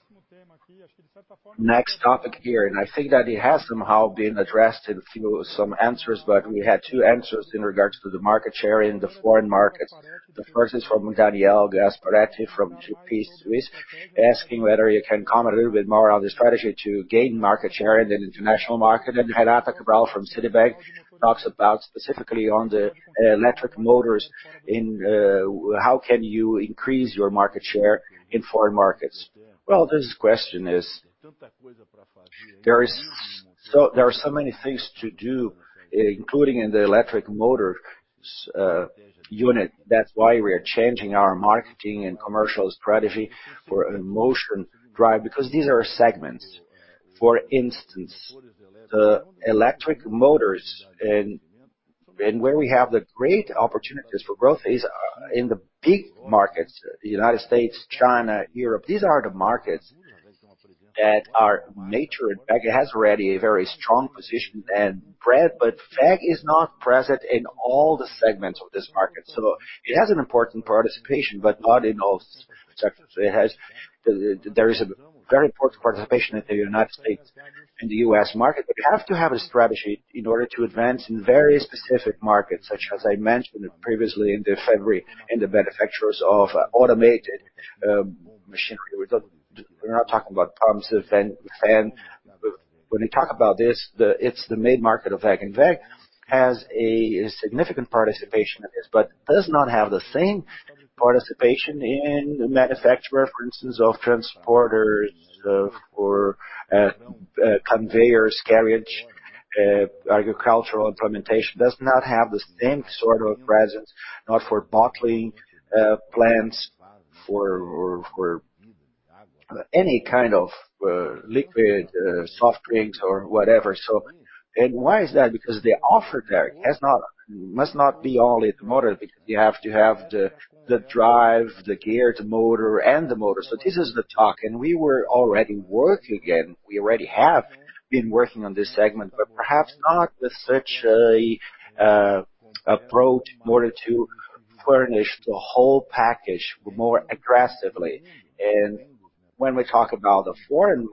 Next topic here. I think that it has somehow been addressed in a few some answers, but we had two answers in regards to the market share in the foreign markets. The first is from Daniel Gasparete from Credit Suisse, asking whether you can comment a little bit more on the strategy to gain market share in the international market. Renata Cabral from Citibank talks about specifically on the electric motors. How can you increase your market share in foreign markets? This question is there are so many things to do, including in the electric motor unit. That's why we are changing our marketing and commercial strategy for a Motion Drives because these are segments. For instance, the electric motors and where we have the great opportunities for growth is in the big markets, the United States, China, Europe. These are the markets that are major in WEG. It has already a very strong position and breadth, but WEG is not present in all the segments of this market. So it has an important participation, but not in all sectors. There is a very important participation in the United States and the U.S. market. But you have to have a strategy in order to advance in very specific markets, such as I mentioned previously in February, in the manufacturers of automated machinery. We're not talking about pumps and fans. When we talk about this, it's the main market of WEG. WEG has a significant participation in this, but does not have the same participation in manufacturers, for instance, of Transporters or Conveyors, Beverage, Agricultural Implements. Does not have the same sort of presence, not for bottling plants, for any kind of liquid, soft drinks, or whatever. And why is that? Because the offer there must not be only the motor because you have to have the drive, the gear, the motor, and the motor. So this is the talk. We already have been working on this segment, but perhaps not with such an approach in order to furnish the whole package more aggressively. When we talk about the foreign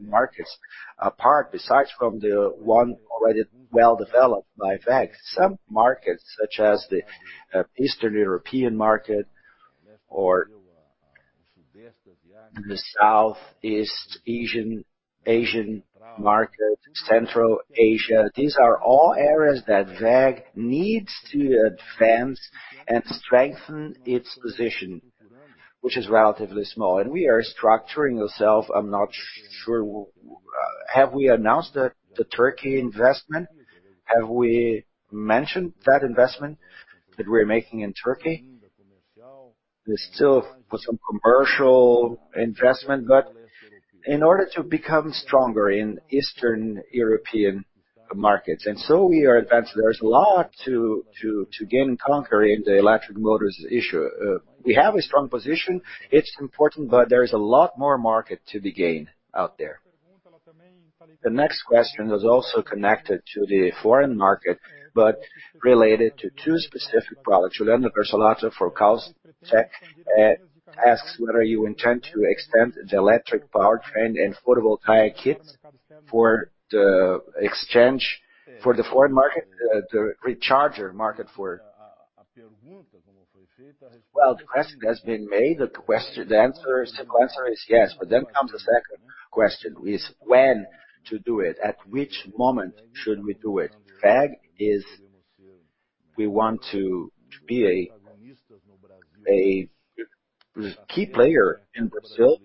markets, apart besides from the one already well developed by WEG, some markets, such as the Eastern European market or the Southeast Asian market, Central Asia, these are all areas that WEG needs to advance and strengthen its position, which is relatively small. We are structuring ourselves. I'm not sure. Have we announced the Turkey investment? Have we mentioned that investment that we're making in Turkey? There's still some commercial investment, but in order to become stronger in Eastern European markets. So we are advancing. There's a lot to gain and conquer in the electric motors issue. We have a strong position. It's important, but there's a lot more market to be gained out there. The next question is also connected to the foreign market, but related to two specific products. Juliana Kesselring of Citibank asks whether you intend to extend the electric powertrain and photovoltaic kits for the exchange for the foreign market, the charging market for. Well, the question has been made. The answer, simple answer is yes. But then comes the second question, which is when to do it? At which moment should we do it? WEG, we want to be a key player in Brazil.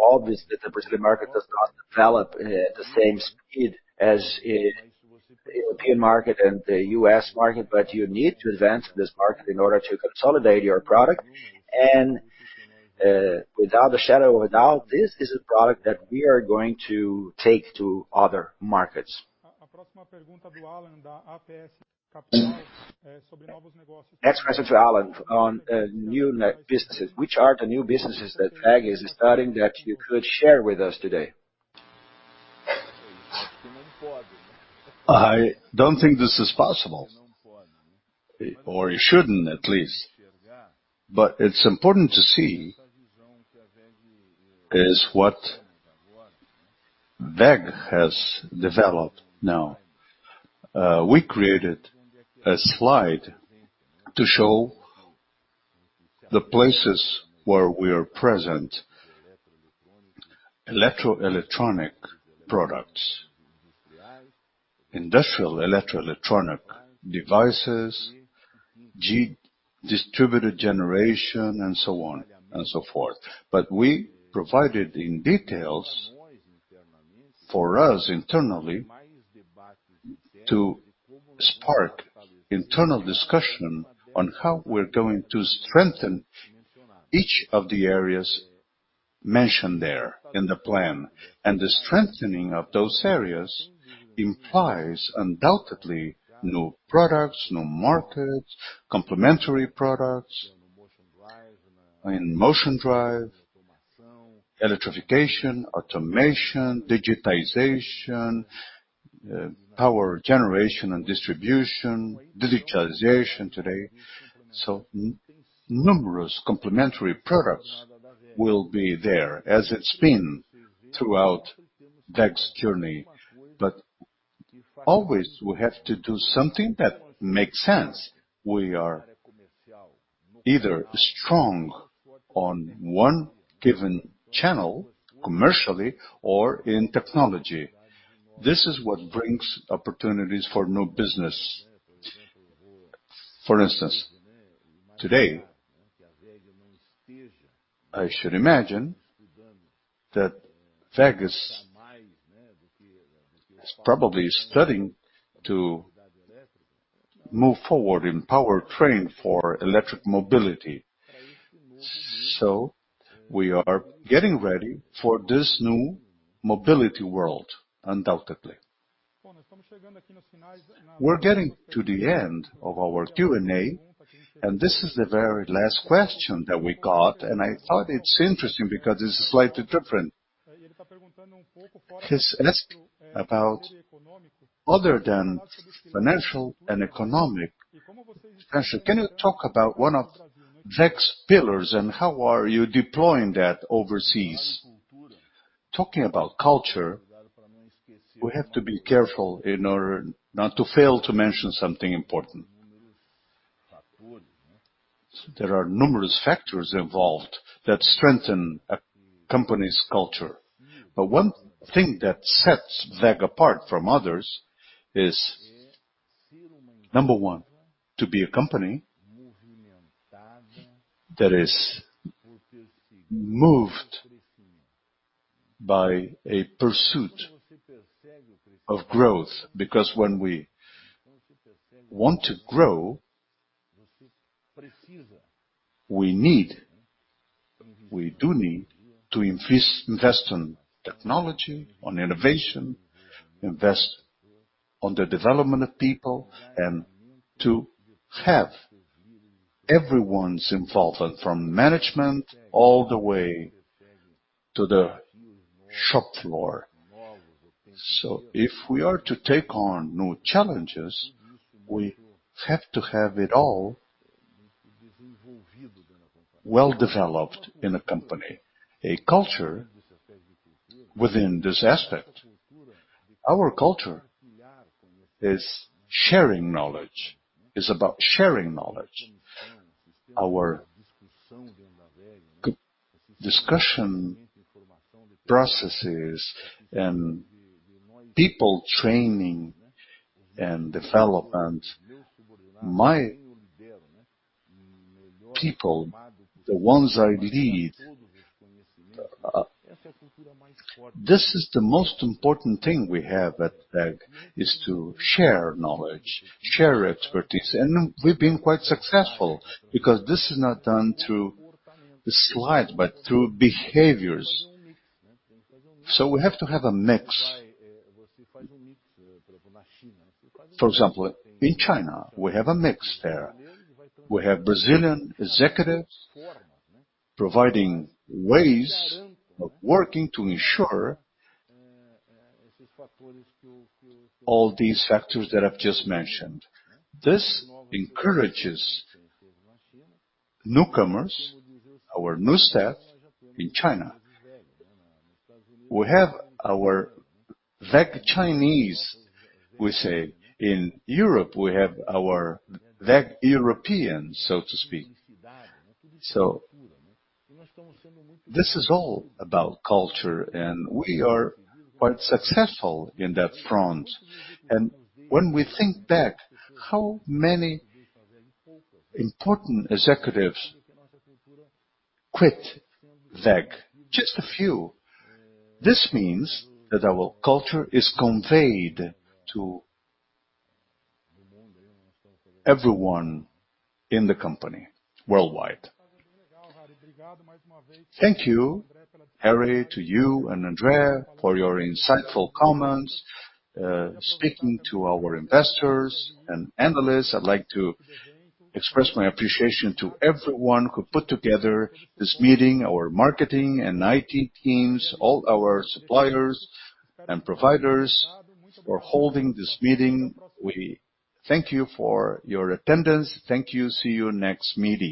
Obviously, the Brazilian market does not develop at the same speed as the European market and the U.S. market, but you need to advance this market in order to consolidate your product. And without the shadow of a doubt, this is a product that we are going to take to other markets. Next question to Alan on new businesses. Which are the new businesses that WEG is studying that you could share with us today? I don't think this is possible, or it shouldn't, at least. But it's important to see what WEG has developed now. We created a slide to show the places where we are present: electrical, electronic products, industrial electrical, electronic devices, distributed generation, and so on and so forth. But we provided in details for us internally to spark internal discussion on how we're going to strengthen each of the areas mentioned there in the plan. And the strengthening of those areas implies undoubtedly new products, new markets, complementary products in Motion Drives, electrification, automation, digitization, power generation and distribution, digitization today. So numerous complementary products will be there, as it's been throughout WEG's journey. But always, we have to do something that makes sense. We are either strong on one given channel commercially or in technology. This is what brings opportunities for new business. For instance, today, I should imagine that WEG is probably studying to move forward in power train for electric mobility. So we are getting ready for this new mobility world, undoubtedly. We're getting to the end of our Q&A, and this is the very last question that we got. And I thought it's interesting because it's slightly different. He's asked about other than financial and economic expansion. Can you talk about one of WEG's pillars and how are you deploying that overseas? Talking about culture, we have to be careful in order not to fail to mention something important. There are numerous factors involved that strengthen a company's culture. But one thing that sets WEG apart from others is, number one, to be a company that is moved by a pursuit of growth. Because when we want to grow, we need, we do need to invest in technology, on innovation, invest in the development of people, and to have everyone's involvement from management all the way to the shop floor. So if we are to take on new challenges, we have to have it all well developed in a company. A culture within this aspect. Our culture is sharing knowledge. It's about sharing knowledge. Our discussion processes and people training and development, my people, the ones I lead. This is the most important thing we have at WEG, is to share knowledge, share expertise. And we've been quite successful because this is not done through the slide, but through behaviors. So we have to have a mix. For example, in China, we have a mix there. We have Brazilian executives providing ways of working to ensure all these factors that I've just mentioned. This encourages newcomers, our new staff in China. We have our WEG Chinese. We say in Europe, we have our WEG Europeans, so to speak. So this is all about culture, and we are quite successful on that front. When we think back, how many important executives quit WEG? Just a few. This means that our culture is conveyed to everyone in the company worldwide. Thank you, Harry, to you and André for your insightful comments. Speaking to our investors and analysts, I'd like to express my appreciation to everyone who put together this meeting, our marketing and IT teams, all our suppliers and providers for holding this meeting. We thank you for your attendance. Thank you. See you next meeting.